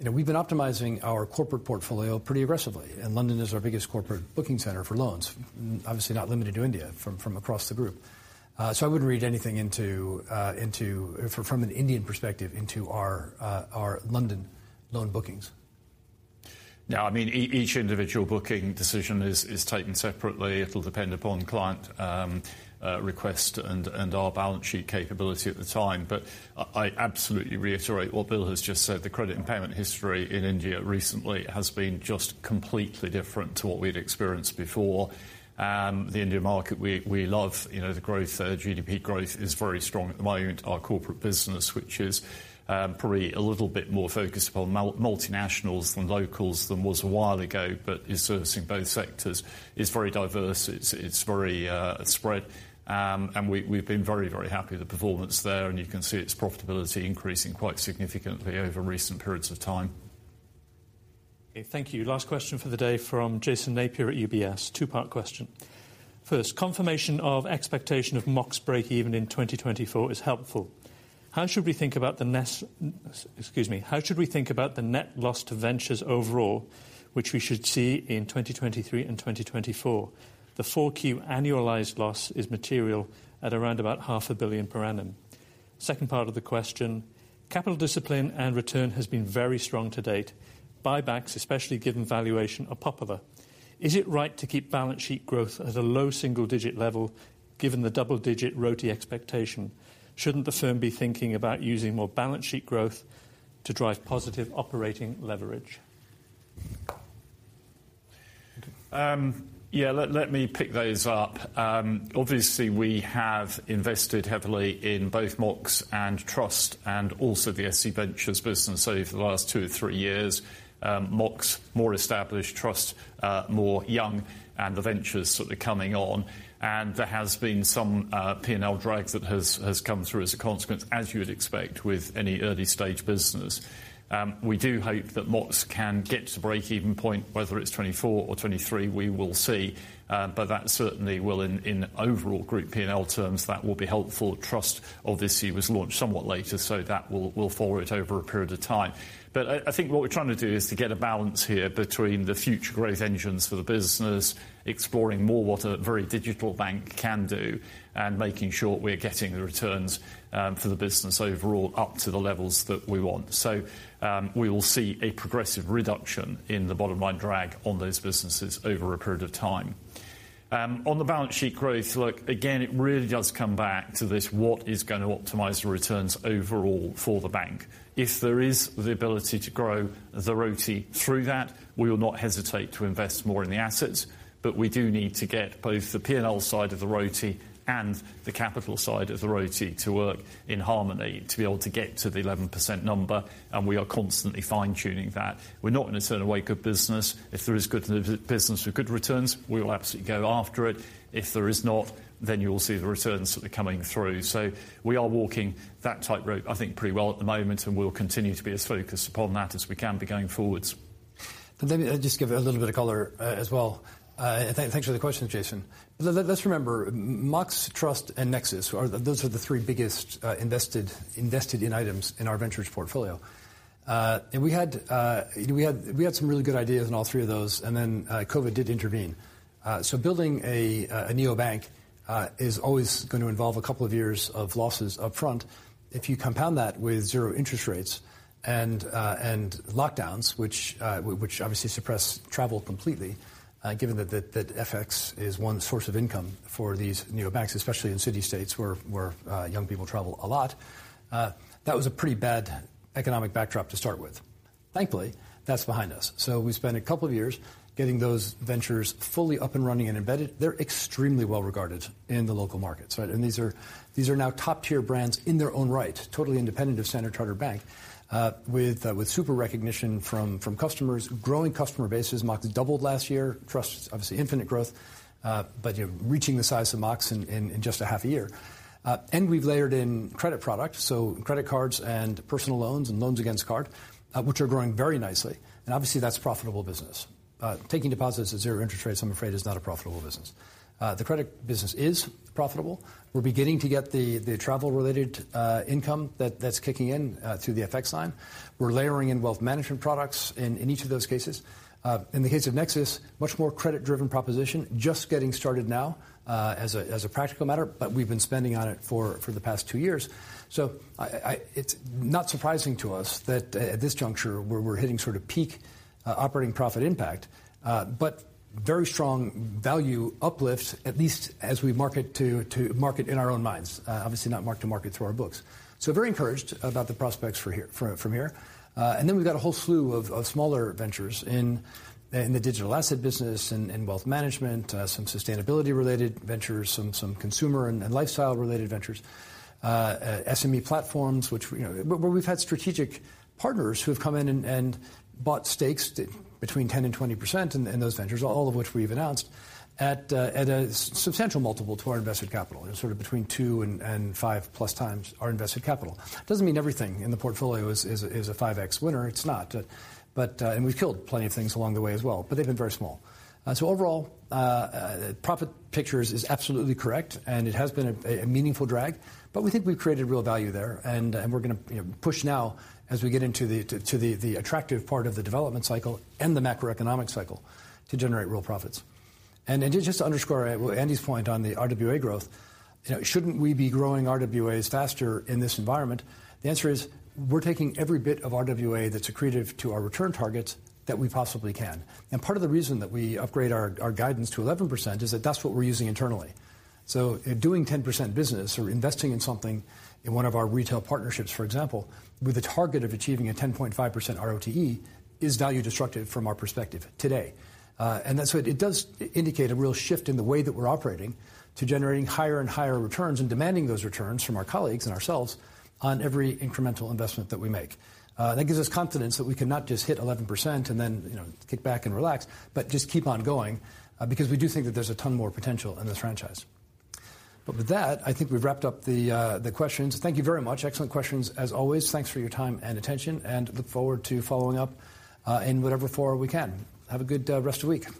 you know, we've been optimizing our corporate portfolio pretty aggressively, and London is our biggest corporate booking center for loans. Obviously not limited to India, from across the group. I wouldn't read anything into, from an Indian perspective, into our London loan bookings. No, I mean, each individual booking decision is taken separately. It'll depend upon client request and our balance sheet capability at the time. But I absolutely reiterate what Bill has just said. The credit and payment history in India recently has been just completely different to what we'd experienced before. The India market, we love. You know, the growth there, GDP growth is very strong at the moment. Our corporate business, which is probably a little bit more focused upon multinationals than locals than was a while ago, but is servicing both sectors, is very diverse. It's very spread. And we've been very, very happy with the performance there, and you can see its profitability increasing quite significantly over recent periods of time. Thank you. Last question for the day from Jason Napier at UBS. 2-part question. 1st, confirmation of expectation of Mox breakeven in 2024 is helpful. How should we think about the excuse me. How should we think about the net loss to ventures overall, which we should see in 2023 and 2024? The 4Q annualized loss is material at around about $500 million per annum. 2nd part of the question. Capital discipline and return has been very strong to date. Buybacks, especially given valuation, are popular. Is it right to keep balance sheet growth at a low single-digit level given the double-digit ROTE expectation? Shouldn't the firm be thinking about using more balance sheet growth to drive positive operating leverage? Let me pick those up. Obviously we have invested heavily in both Mox and Trust and also the SC Ventures business over the last 2 or 3 years. Mox, more established, Trust, more young, and the ventures sort of coming on. There has been some P&L drags that has come through as a consequence, as you would expect with any early stage business. We do hope that Mox can get to breakeven point, whether it's 2024 or 2023, we will see. That certainly will in overall group P&L terms, that will be helpful. Trust obviously was launched somewhat later, that will forward over a period of time. I think what we're trying to do is to get a balance here between the future growth engines for the business, exploring more what a very digital bank can do, and making sure we're getting the returns for the business overall up to the levels that we want. We will see a progressive reduction in the bottom line drag on those businesses over a period of time. On the balance sheet growth, look, again, it really does come back to this, what is gonna optimize the returns overall for the bank. If there is the ability to grow the ROTE through that, we will not hesitate to invest more in the assets. We do need to get both the P&L side of the RoTE and the capital side of the ROTE to work in harmony to be able to get to the 11% number. We are constantly fine-tuning that. We're not gonna turn away good business. If there is good business with good returns, we will absolutely go after it. If there is not, you will see the returns sort of coming through. We are walking that tightrope, I think, pretty well at the moment, and we will continue to be as focused upon that as we can be going forwards. Let me just give a little bit of color as well. Thanks for the question, Jason. Let's remember, Mox, Trust, and Nexus are those are the 3 biggest invested items in our ventures portfolio. We had some really good ideas in all 3 of those, and then COVID did intervene. Building a neobank is always gonna involve a couple of years of losses up front. If you compound that with 0 interest rates and lockdowns, which obviously suppress travel completely, given that FX is 1 source of income for these neobanks, especially in city states where young people travel a lot, that was a pretty bad economic backdrop to start with. Thankfully, that's behind us. We spent a couple of years getting those ventures fully up and running and embedded. They're extremely well regarded in the local markets, right? These are now top-tier brands in their own right, totally independent of Standard Chartered Bank, with super recognition from customers, growing customer bases. Mox doubled last year. Trust, obviously infinite growth, but, you know, reaching the size of Mox in just a half a year. We've layered in credit products, so credit cards and personal loans and loans against card, which are growing very nicely, and obviously that's profitable business. Taking deposits at 0 interest rates, I'm afraid, is not a profitable business. The credit business is profitable. We're beginning to get the travel-related income that's kicking in through the FX line. We're layering in wealth management products in each of those cases. In the case of Nexus, much more credit-driven proposition, just getting started now, as a practical matter, but we've been spending on it for the past 2 years. I, it's not surprising to us that at this juncture, we're hitting sort of peak operating profit impact, but very strong value uplifts, at least as we market to market in our own minds, obviously not mark to market through our books. Very encouraged about the prospects for here, from here. We've got a whole slew of smaller ventures in the digital asset business, in wealth management, some sustainability related ventures, some consumer and lifestyle related ventures, SME platforms, which, you know- we've had strategic partners who have come in and bought stakes between 10% and 20% in those ventures, all of which we've announced, at a substantial multiple to our invested capital. Sort of between 2 and 5+ times our invested capital. Doesn't mean everything in the portfolio is a 5X winner. It's not. And we've killed plenty of things along the way as well, but they've been very small. Overall, profit pictures is absolutely correct, and it has been a meaningful drag, but we think we've created real value there. And we're gonna, you know, push now as we get into the attractive part of the development cycle and the macroeconomic cycle to generate real profits. Just to underscore Andy's point on the RWA growth, you know, shouldn't we be growing RWAs faster in this environment? The answer is, we're taking every bit of RWA that's accretive to our return targets that we possibly can. Part of the reason that we upgrade our guidance to 11% is that that's what we're using internally. Doing 10% business or investing in something in 1 of our retail partnerships, for example, with a target of achieving a 10.5% ROTE is value destructive from our perspective today. That's why it does indicate a real shift in the way that we're operating to generating higher and higher returns and demanding those returns from our colleagues and ourselves on every incremental investment that we make. That gives us confidence that we cannot just hit 11% and then, you know, kick back and relax, but just keep on going because we do think that there's a ton more potential in this franchise. With that, I think we've wrapped up the questions. Thank you very much. Excellent questions as always. Thanks for your time and attention, and look forward to following up in whatever forum we can. Have a good rest of the week.